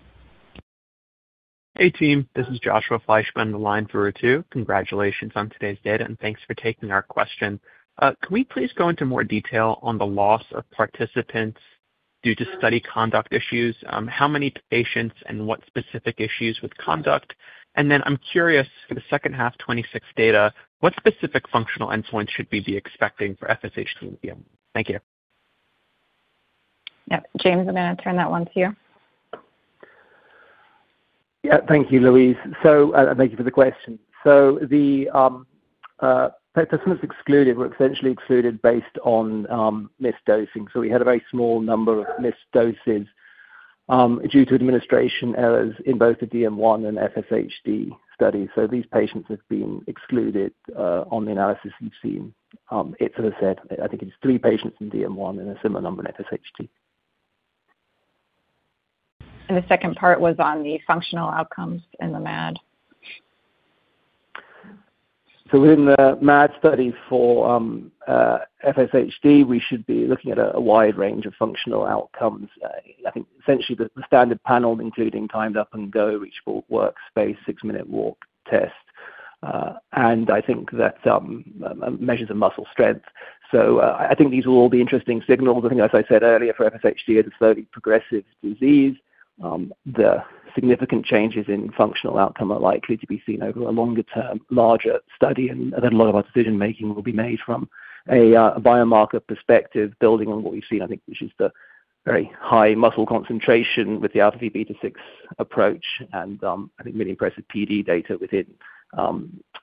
Hey, team. This is Joshua Fleischman on the line for Ritu. Congratulations on today's data, and thanks for taking our question. Can we please go into more detail on the loss of participants due to study conduct issues? How many patients and what specific issues with conduct? And then I'm curious, for the second half 2026 data, what specific functional influence should we be expecting for FSHD? Thank you. Yeah. James, I'm gonna turn that one to you. Yeah. Thank you, Louise. Thank you for the question. The participants excluded were essentially excluded based on misdosing. We had a very small number of misdoses due to administration errors in both the DM1 and FSHD study. These patients have been excluded on the analysis you've seen. It's as I said. I think it's three patients in DM1 and a similar number in FSHD. The second part was on the functional outcomes in the MAD. In the MAD study for FSHD, we should be looking at a wide range of functional outcomes. I think essentially the standard panel, including Timed Up and Go, Reachable Workspace, six-minute walk test, and measures of muscle strength. I think these will all be interesting signals. I think, as I said earlier, for FSHD, it's a slowly progressive disease. The significant changes in functional outcome are likely to be seen over a longer term, larger study. A lot of our decision-making will be made from a biomarker perspective building on what you've seen, I think, which is the very high muscle concentration with the αvβ6 approach and I think really impressive PD data within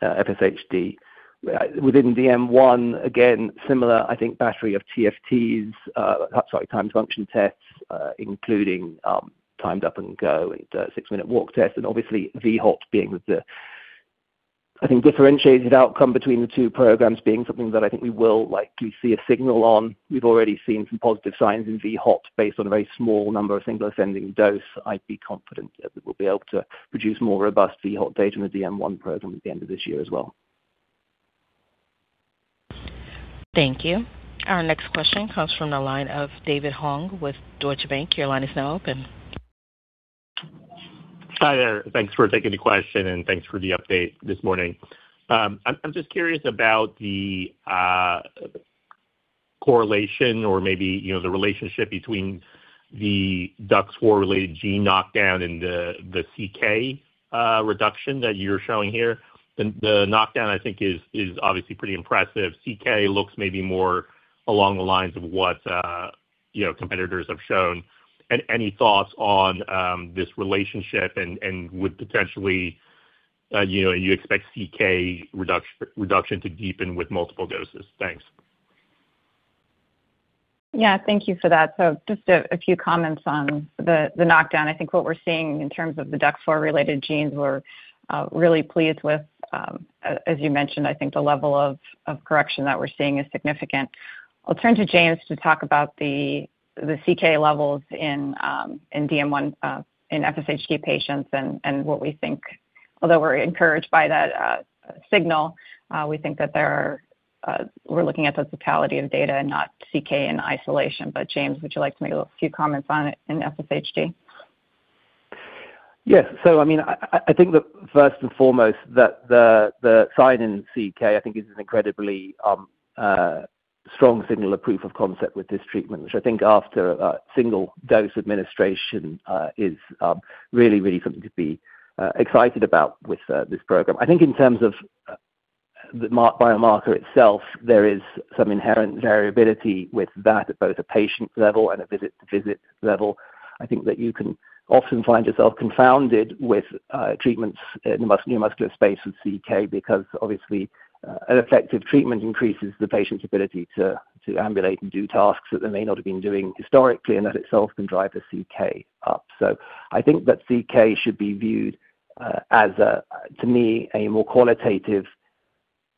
FSHD. Within DM1, again, similar, I think, battery of TFTs, sorry, timed function tests, including timed up and go and six-minute walk test. Obviously, vHOT being the, I think, differentiated outcome between the two programs being something that I think we will likely see a signal on. We've already seen some positive signs in vHOT based on a very small number of single ascending dose. I'd be confident that we'll be able to produce more robust vHOT data in the DM1 program at the end of this year as well. Thank you. Our next question comes from the line of David Hoang with Deutsche Bank. Your line is now open. Hi there. Thanks for taking the question, and thanks for the update this morning. I'm just curious about the correlation or maybe, you know, the relationship between the DUX4-related gene knockdown and the CK reduction that you're showing here. The knockdown, I think, is obviously pretty impressive. CK looks maybe more along the lines of what you know, competitors have shown. Any thoughts on this relationship and would potentially, you know, you expect CK reduction to deepen with multiple doses? Thanks. Yeah, thank you for that. Just a few comments on the knockdown. I think what we're seeing in terms of the DUX4-related genes, we're really pleased with. As you mentioned, I think the level of correction that we're seeing is significant. I'll turn to James to talk about the CK levels in DM1 in FSHD patients and what we think. Although we're encouraged by that signal, we're looking at the totality of data and not CK in isolation. James, would you like to make a little few comments on it in FSHD? Yes. I mean, I think that first and foremost, the decline in CK is an incredibly strong signal of proof of concept with this treatment, which I think after a single dose administration is really something to be excited about with this program. I think in terms of the biomarker itself, there is some inherent variability with that at both a patient level and a visit-to-visit level. I think that you can often find yourself confounded with treatments in the neuromuscular space with CK because obviously an effective treatment increases the patient's ability to ambulate and do tasks that they may not have been doing historically, and that itself can drive the CK up. I think that CK should be viewed as a, to me, a more qualitative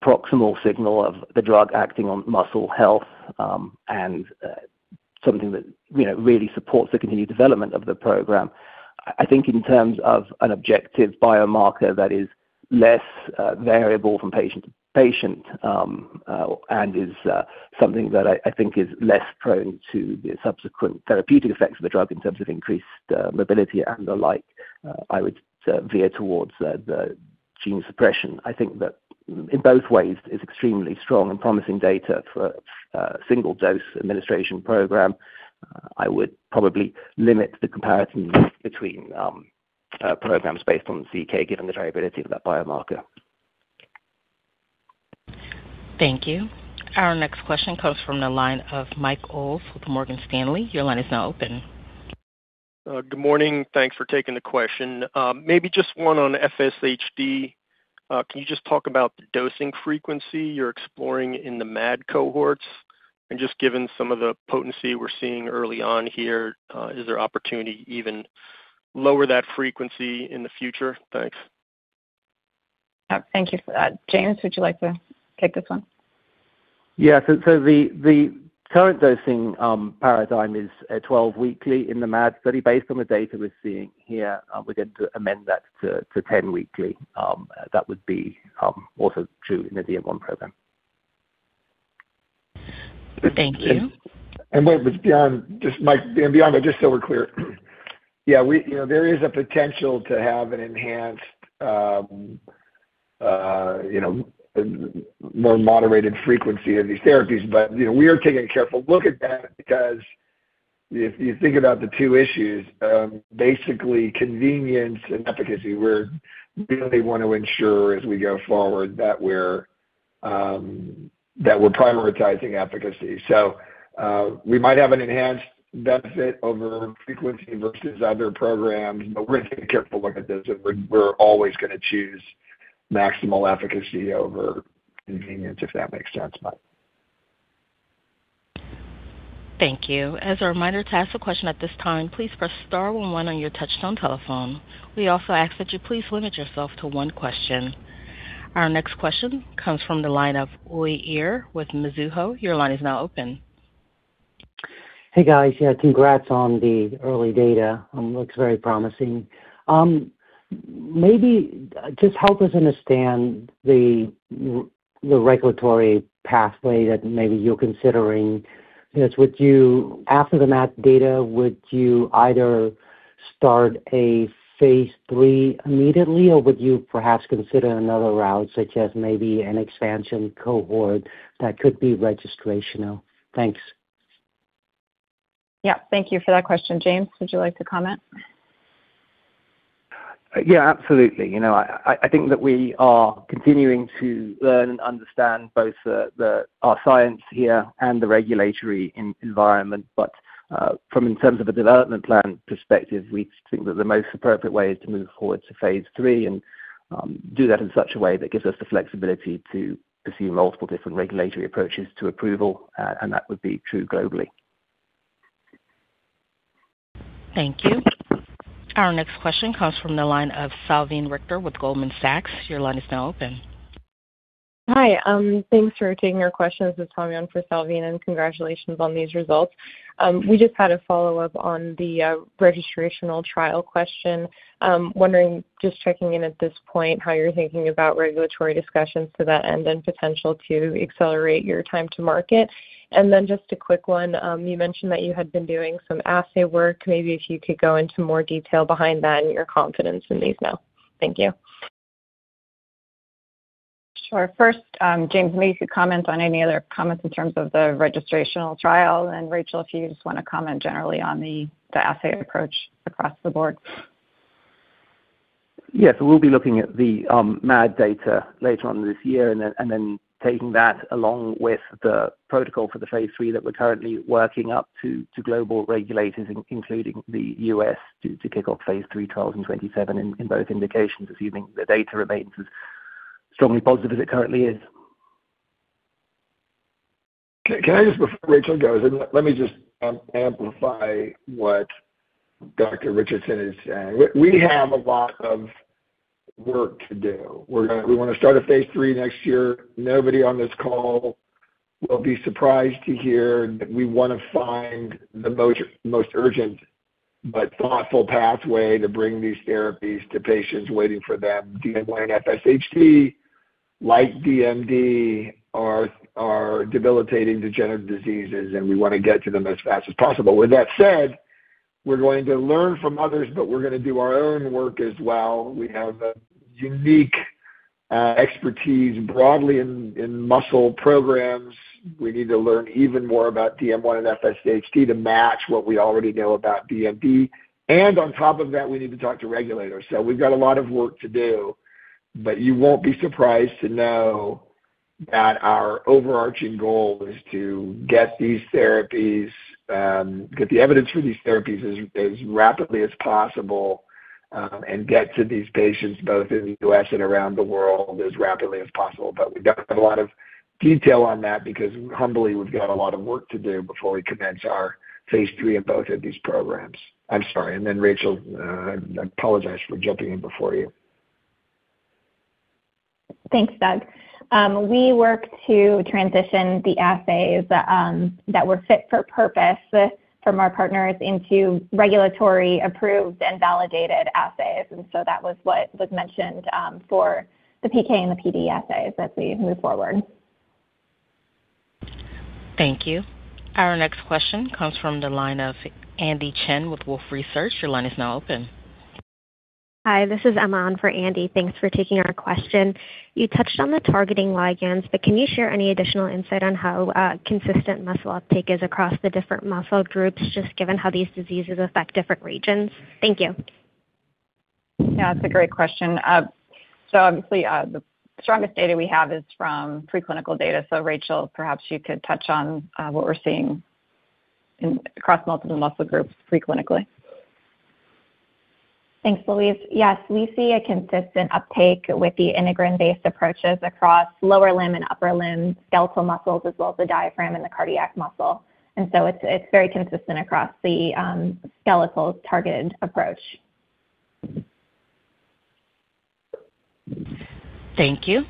proximal signal of the drug acting on muscle health, and something that, you know, really supports the continued development of the program. I think in terms of an objective biomarker that is less variable from patient to patient, and is something that I think is less prone to the subsequent therapeutic effects of the drug in terms of increased mobility and the like, I would veer towards the gene suppression. I think that in both ways is extremely strong and promising data for single dose administration program. I would probably limit the comparisons between programs based on CK, given the variability of that biomarker. Thank you. Our next question comes from the line of Mike Ulz with Morgan Stanley. Your line is now open. Good morning. Thanks for taking the question. Maybe just one on FSHD. Can you just talk about the dosing frequency you're exploring in the MAD cohorts? Just given some of the potency we're seeing early on here, is there opportunity to even lower that frequency in the future? Thanks. Thank you for that. James, would you like to take this one? The current dosing paradigm is at 12 weekly in the MAD study. Based on the data we're seeing here, we're going to amend that to 10 weekly. That would be also true in the DM1 program. Thank you. Wait, beyond just Mike. Beyond that, just so we're clear. Yeah, you know, there is a potential to have an enhanced, you know, more moderated frequency of these therapies. You know, we are taking a careful look at that because if you think about the two issues, basically convenience and efficacy, we're really want to ensure as we go forward that we're that we're prioritizing efficacy. We might have an enhanced benefit over frequency versus other programs, but we're taking a careful look at this. We're always gonna choose maximal efficacy over convenience, if that makes sense, Mike. Thank you. As a reminder, to ask a question at this time, please press star one one on your touchtone telephone. We also ask that you please limit yourself to one question. Our next question comes from the line of Uy Ear with Mizuho. Your line is now open. Hey, guys. Yeah, congrats on the early data. Looks very promising. Maybe just help us understand the regulatory pathway that maybe you're considering. You know, would you after the MAD data either start a phase III immediately, or would you perhaps consider another route, such as maybe an expansion cohort that could be registrational? Thanks. Yeah. Thank you for that question. James, would you like to comment? Yeah, absolutely. You know, I think that we are continuing to learn and understand both our science here and the regulatory environment. In terms of a development plan perspective, we think that the most appropriate way is to move forward to phase III and do that in such a way that gives us the flexibility to pursue multiple different regulatory approaches to approval, and that would be true globally. Thank you. Our next question comes from the line of Salveen Richter with Goldman Sachs. Your line is now open. Hi. Thanks for taking our questions. It's Salveen, and congratulations on these results. We just had a follow-up on the registrational trial question, wondering, just checking in at this point, how you're thinking about regulatory discussions to that and then potential to accelerate your time to market. Just a quick one. You mentioned that you had been doing some assay work. Maybe if you could go into more detail behind that and your confidence in these now. Thank you. Sure. First, James, maybe you could comment on any other comments in terms of the registrational trial. Rachael, if you just wanna comment generally on the assay approach across the board. Yes. We'll be looking at the MAD data later on this year and then taking that along with the protocol for the phase III that we're currently working up to global regulators, including the U.S., to kick off phase III trials in 2027 in both indications, assuming the data remains as strongly positive as it currently is. Can I just, before Rachael goes, let me just amplify what Dr. Richardson is saying. We have a lot of work to do. We want to start a phase III next year. Nobody on this call will be surprised to hear that we want to find the most urgent but thoughtful pathway to bring these therapies to patients waiting for them. DM1 and FSHD, like DMD, are debilitating degenerative diseases, and we want to get to them as fast as possible. With that said, we are going to learn from others, but we are going to do our own work as well. We have a unique expertise broadly in muscle programs. We need to learn even more about DM1 and FSHD to match what we already know about DMD. On top of that, we need to talk to regulators. We've got a lot of work to do, but you won't be surprised to know that our overarching goal is to get these therapies, get the evidence for these therapies as rapidly as possible, and get to these patients both in the U.S. and around the world as rapidly as possible. We don't have a lot of detail on that because humbly, we've got a lot of work to do before we commence our phase III of both of these programs. I'm sorry. Then Rachael, I apologize for jumping in before you. Thanks, Doug. We work to transition the assays that were fit for purpose from our partners into regulatory approved and validated assays. That was what was mentioned for the PK and the PD assays as we move forward. Thank you. Our next question comes from the line of Andy Chen with Wolfe Research. Your line is now open. Hi, this is Emma on for Andy. Thanks for taking our question. You touched on the targeting ligands, but can you share any additional insight on how consistent muscle uptake is across the different muscle groups, just given how these diseases affect different regions? Thank you. Yeah, that's a great question. Obviously, the strongest data we have is from preclinical data. Rachael, perhaps you could touch on what we're seeing across multiple muscle groups preclinically. Thanks, Louise. Yes, we see a consistent uptake with the integrin-based approaches across lower limb and upper limb skeletal muscles, as well as the diaphragm and the cardiac muscle. It's very consistent across the skeletal targeted approach. Thank you.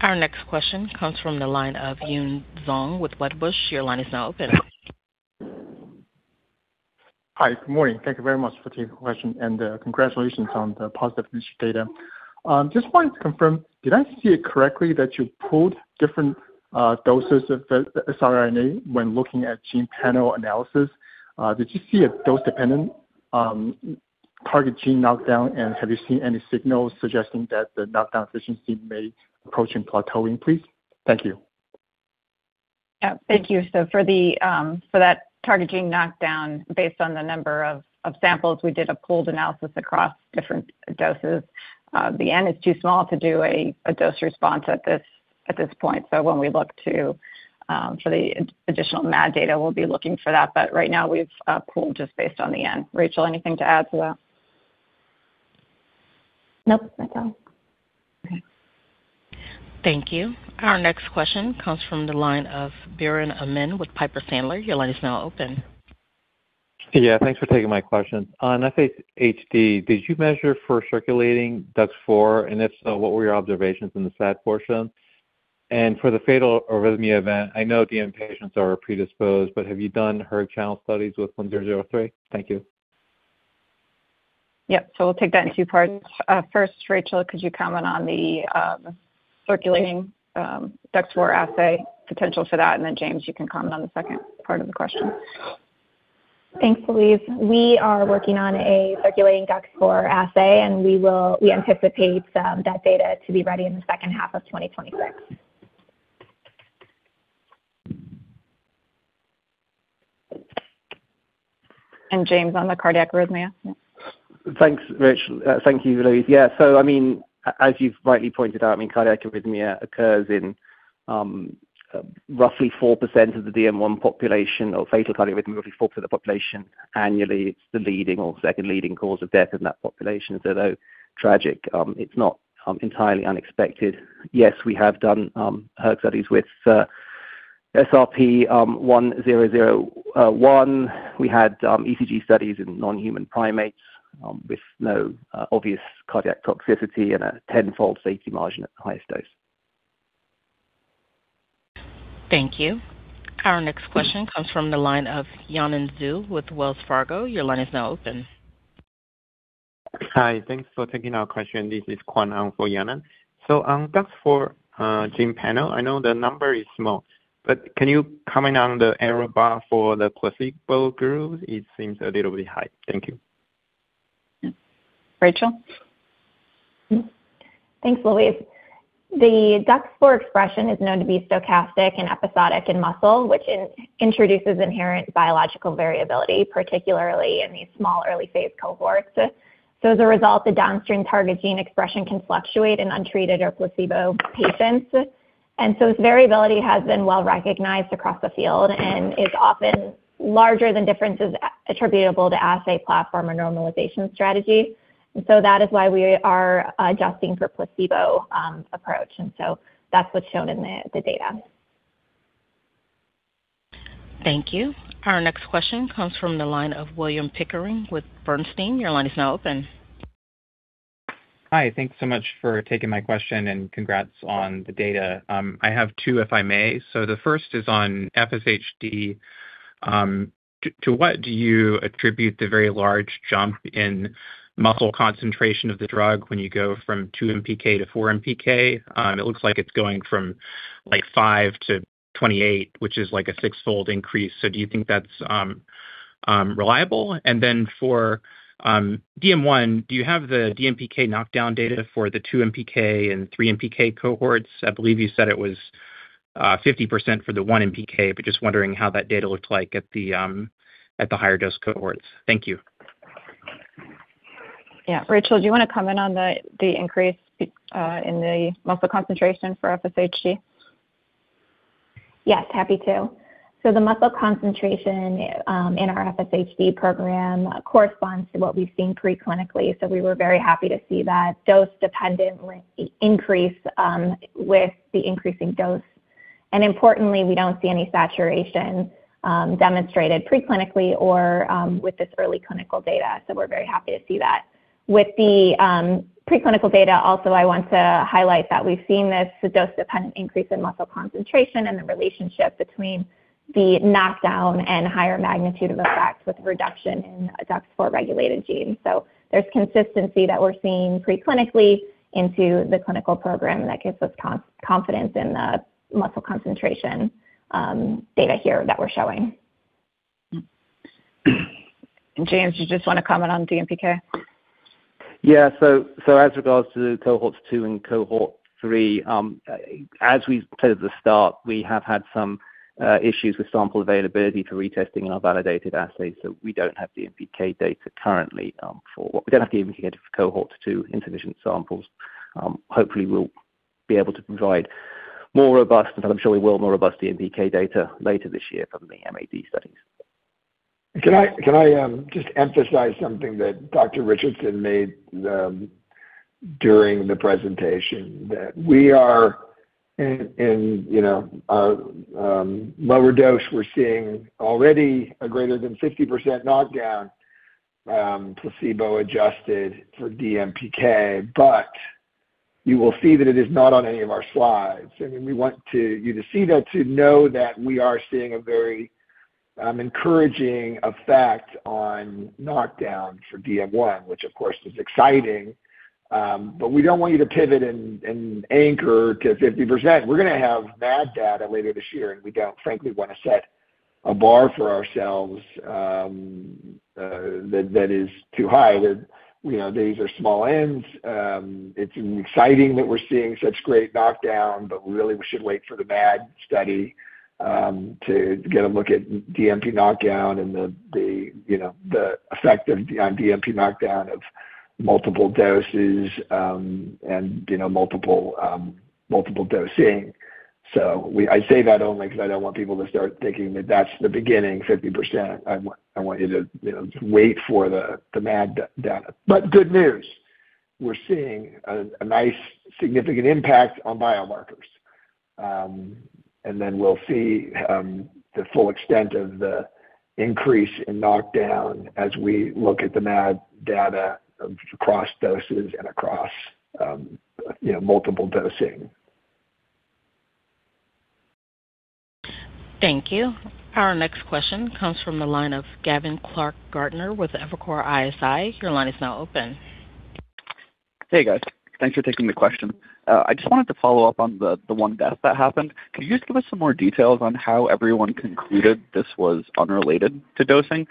Our next question comes from the line of Yun Zhong with Wedbush. Your line is now open. Hi. Good morning. Thank you very much for taking the question, and congratulations on the positive initial data. Just wanted to confirm, did I see it correctly that you pooled different doses of the siRNA when looking at gene panel analysis? Did you see a dose-dependent target gene knockdown? Have you seen any signals suggesting that the knockdown efficiency may be approaching plateauing, please? Thank you. Yeah, thank you. For that targeting knockdown based on the number of samples, we did a pooled analysis across different doses. The N is too small to do a dose response at this point. When we look to for the additional MAD data, we'll be looking for that. Right now we've pooled just based on the N. Rachael, anything to add to that? Nope, that's all. Okay. Thank you. Our next question comes from the line of Biren Amin with Piper Sandler. Your line is now open. Yeah, thanks for taking my question. On FSHD, did you measure for circulating DUX4? If so, what were your observations in the SAD portion? For the fatal arrhythmia event, I know DM patients are predisposed, but have you done hERG channel studies with 1003? Thank you. Yep. We'll take that in two parts. First, Rachael, could you comment on the circulating DUX4 assay potential for that? James, you can comment on the second part of the question. Thanks, Louise. We are working on a circulating DUX4 assay, and we anticipate that data to be ready in the second half of 2026. James, on the cardiac arrhythmia. Thanks, Rachael. Thank you, Louise. Yeah. I mean, as you've rightly pointed out, I mean, cardiac arrhythmia occurs in roughly 4% of the DM1 population or fatal cardiac arrhythmia, roughly 4% of the population annually. It's the leading or second leading cause of death in that population. Though tragic, it's not entirely unexpected. Yes, we have done hERG studies with SRP-1001. We had ECG studies in non-human primates with no obvious cardiac toxicity and a tenfold safety margin at the highest dose. Thank you. Our next question comes from the line of Yanan Zhu with Wells Fargo. Your line is now open. Hi. Thanks for taking our question. This is Kuan-Hung for Yanan Zhu. That's for gene panel. I know the number is small, but can you comment on the error bar for the placebo group? It seems a little bit high. Thank you. Rachel? Thanks, Louise. The DUX4 expression is known to be stochastic and episodic in muscle, which introduces inherent biological variability, particularly in these small early phase cohorts. As a result, the downstream target gene expression can fluctuate in untreated or placebo patients. This variability has been well-recognized across the field and is often larger than differences attributable to assay platform or normalization strategy. That is why we are adjusting for placebo approach. That's what's shown in the data. Thank you. Our next question comes from the line of William Pickering with Bernstein. Your line is now open. Hi. Thanks so much for taking my question, and congrats on the data. I have two, if I may. The first is on FSHD. To what do you attribute the very large jump in muscle concentration of the drug when you go from 2 MPK to 4 MPK? It looks like it's going from, like, 5 to 28, which is, like, a sixfold increase. Do you think that's reliable? For DM1, do you have the DMPK knockdown data for the 2 MPK and 3 MPK cohorts? I believe you said it was 50% for the 1 MPK, but just wondering how that data looked like at the higher dose cohorts. Thank you. Yeah. Rachael, do you wanna comment on the increase in the muscle concentration for FSHD? Yes, happy to. The muscle concentration in our FSHD program corresponds to what we've seen pre-clinically. We were very happy to see that dose-dependent increase with the increasing dose. Importantly, we don't see any saturation demonstrated pre-clinically or with this early clinical data, so we're very happy to see that. With the pre-clinical data also, I want to highlight that we've seen this dose-dependent increase in muscle concentration and the relationship between the knockdown and higher magnitude of effect with reduction in DUX4 regulated genes. There's consistency that we're seeing pre-clinically into the clinical program, and that gives us confidence in the muscle concentration data here that we're showing. James, do you just wanna comment on DMPK? As regards cohorts 2 and cohort 3, as we said at the start, we have had some issues with sample availability for retesting in our validated assays. We don't have DMPK data currently for cohorts 2 and cohort 3 due to insufficient samples. Hopefully we'll be able to provide more robust DMPK data, and I'm sure we will, later this year from the MAD studies. Can I just emphasize something that Dr. Richardson made during the presentation that we are in lower dose, we're seeing already a greater than 50% knockdown, placebo adjusted for DMPK. But you will see that it is not on any of our slides. I mean, we want you to see that to know that we are seeing a very encouraging effect on knockdown for DM1, which of course is exciting. But we don't want you to pivot and anchor to 50%. We're gonna have MAD data later this year, and we don't frankly wanna set a bar for ourselves that is too high. You know, these are small n's. It's exciting that we're seeing such great knockdown, but really we should wait for the MAD study to get a look at DMP knockdown and, you know, the effect on DMP knockdown of multiple doses, and, you know, multiple dosing. I say that only 'cause I don't want people to start thinking that that's the beginning, 50%. I want you to, you know, wait for the MAD data. Good news. We're seeing a nice significant impact on biomarkers. We'll see the full extent of the increase in knockdown as we look at the MAD data across doses and across, you know, multiple dosing. Thank you. Our next question comes from the line of Gavin Clark-Gartner with Evercore ISI. Your line is now open. Hey, guys. Thanks for taking the question. I just wanted to follow up on the one death that happened. Could you just give us some more details on how everyone concluded this was unrelated to dosing?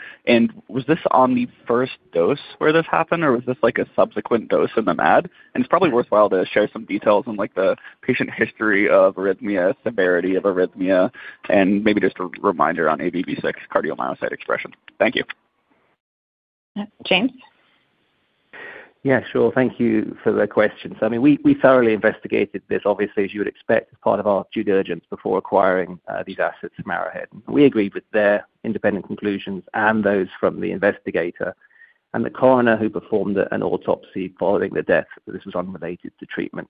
Was this on the first dose where this happened, or was this like a subsequent dose in the MAD? It's probably worthwhile to share some details on like the patient history of arrhythmia, severity of arrhythmia, and maybe just a reminder on αvβ6 cardiomyocyte expression. Thank you. James. Yeah, sure. Thank you for the question. I mean, we thoroughly investigated this obviously, as you would expect, as part of our due diligence before acquiring these assets from Arrowhead. We agreed with their independent conclusions and those from the investigator and the coroner who performed an autopsy following the death, that this was unrelated to treatment.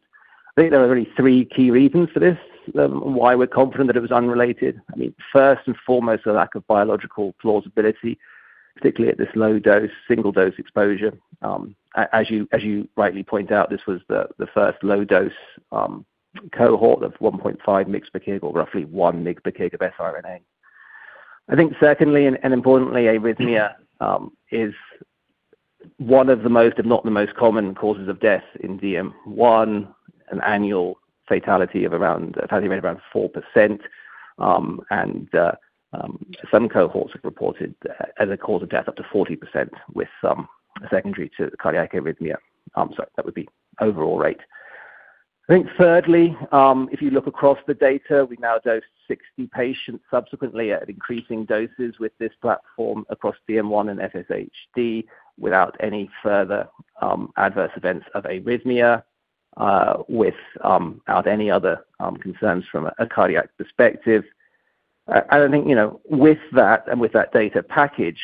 I think there are really three key reasons for this, why we're confident that it was unrelated. I mean, first and foremost, the lack of biological plausibility, particularly at this low dose, single dose exposure. As you rightly point out, this was the first low dose cohort of 1.5 mg/kg or roughly 1 mg/kg of siRNA. I think secondly and importantly, arrhythmia is one of the most, if not the most common causes of death in DM1, an annual fatality rate around 4%. Some cohorts have reported as a cause of death up to 40% with some secondary to cardiac arrhythmia. I'm sorry, that would be overall rate. I think thirdly, if you look across the data, we've now dosed 60 patients subsequently at increasing doses with this platform across DM1 and FSHD without any further adverse events of arrhythmia, without any other concerns from a cardiac perspective. I think, you know, with that and with that data package,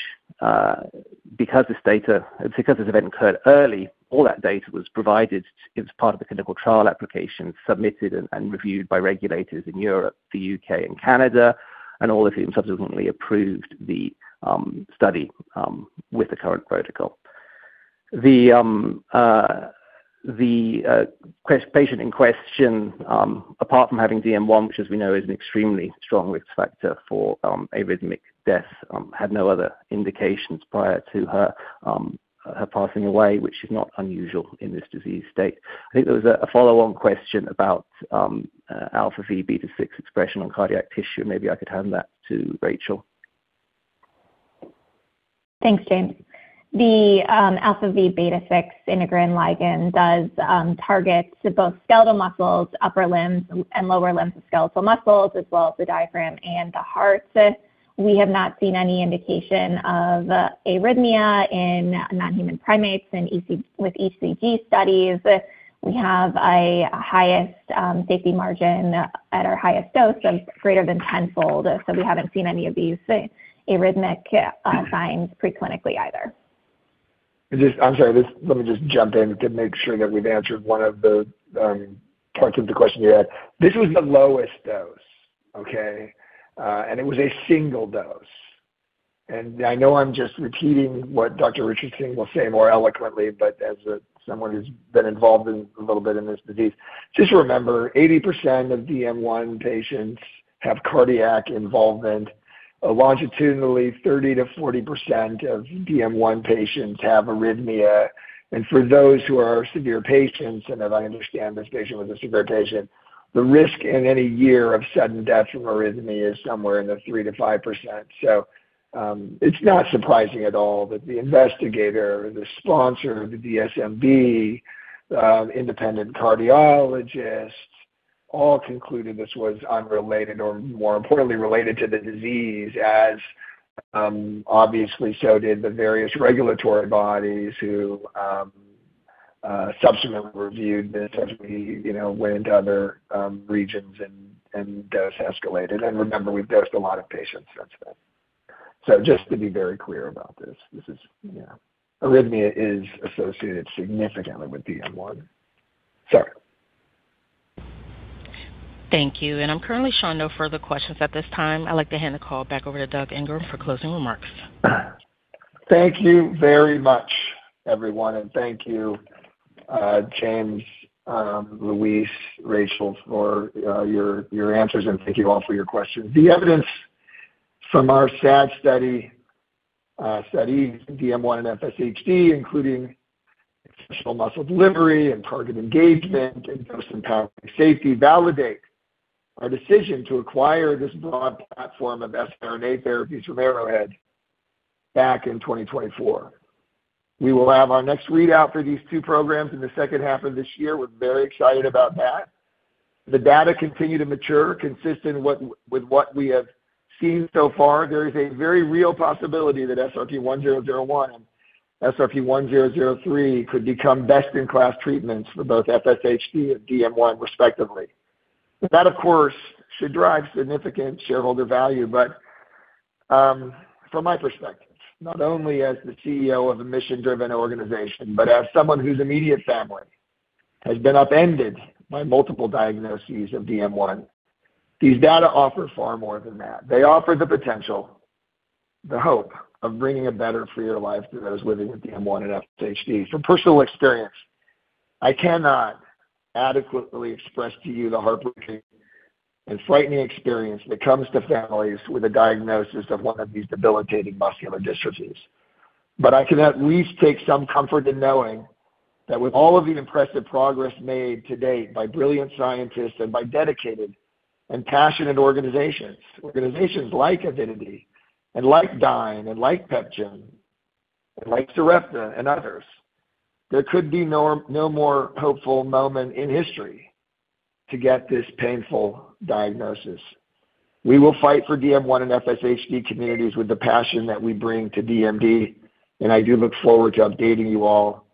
because this data... Because this event occurred early, all that data was provided as part of the clinical trial application, submitted and reviewed by regulators in Europe, the U.K. and Canada, and all of whom subsequently approved the study with the current protocol. The patient in question, apart from having DM1, which as we know is an extremely strong risk factor for arrhythmic death, had no other indications prior to her passing away, which is not unusual in this disease state. I think there was a follow-on question about αvβ6 expression on cardiac tissue. Maybe I could hand that to Rachael. Thanks, James. The αvβ6 integrin ligand does target both skeletal muscles, upper limbs and lower limbs of skeletal muscles, as well as the diaphragm and the heart. We have not seen any indication of arrhythmia in non-human primates with ECG studies. We have the highest safety margin at our highest dose of greater than tenfold. We haven't seen any of these arrhythmic signs pre-clinically either. I'm sorry, let me jump in to make sure that we've answered one of the parts of the question you had. This was the lowest dose, okay? It was a single dose. I know I'm just repeating what Dr. Richardson will say more eloquently, but as someone who's been involved a little bit in this disease, just remember 80% of DM1 patients have cardiac involvement. Longitudinally, 30%-40% of DM1 patients have arrhythmia. For those who are severe patients, and as I understand this patient was a severe patient, the risk in any year of sudden death from arrhythmia is somewhere in the 3%-5%. It's not surprising at all that the investigator, the sponsor, the DSMB, independent cardiologists all concluded this was unrelated or more importantly related to the disease as obviously so did the various regulatory bodies who subsequently reviewed this as we, you know, went to other regions and dose escalated. Remember, we've dosed a lot of patients since then. Just to be very clear about this is, you know, arrhythmia is associated significantly with DM1. Sorry. Thank you. I'm currently showing no further questions at this time. I'd like to hand the call back over to Doug Ingram for closing remarks. Thank you very much, everyone, and thank you, James, Louise, Rachael, for your answers, and thank you all for your questions. The evidence from our SAD studies in DM1 and FSHD, including exceptional muscle delivery and target engagement and dose and power safety, validate our decision to acquire this broad platform of mRNA therapies from Arrowhead back in 2024. We will have our next readout for these two programs in the second half of this year. We're very excited about that. The data continue to mature consistent with what we have seen so far. There is a very real possibility that SRP-1001 and SRP-1003 could become best in class treatments for both FSHD and DM1 respectively. That, of course, should drive significant shareholder value. From my perspective, not only as the CEO of a mission-driven organization, but as someone whose immediate family has been upended by multiple diagnoses of DM1, these data offer far more than that. They offer the potential, the hope of bringing a better, freer life to those living with DM1 and FSHD. From personal experience, I cannot adequately express to you the heartbreaking and frightening experience that comes to families with a diagnosis of one of these debilitating muscular dystrophies. I can at least take some comfort in knowing that with all of the impressive progress made to date by brilliant scientists and by dedicated and passionate organizations like Avidity and like Dyne and like PepGen and like Sarepta and others, there could be no more hopeful moment in history to get this painful diagnosis. We will fight for DM1 and FSHD communities with the passion that we bring to DMD, and I do look forward to updating you all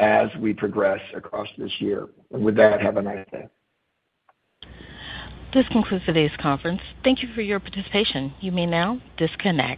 as we progress across this year. With that, have a nice day. This concludes today's conference. Thank you for your participation. You may now disconnect.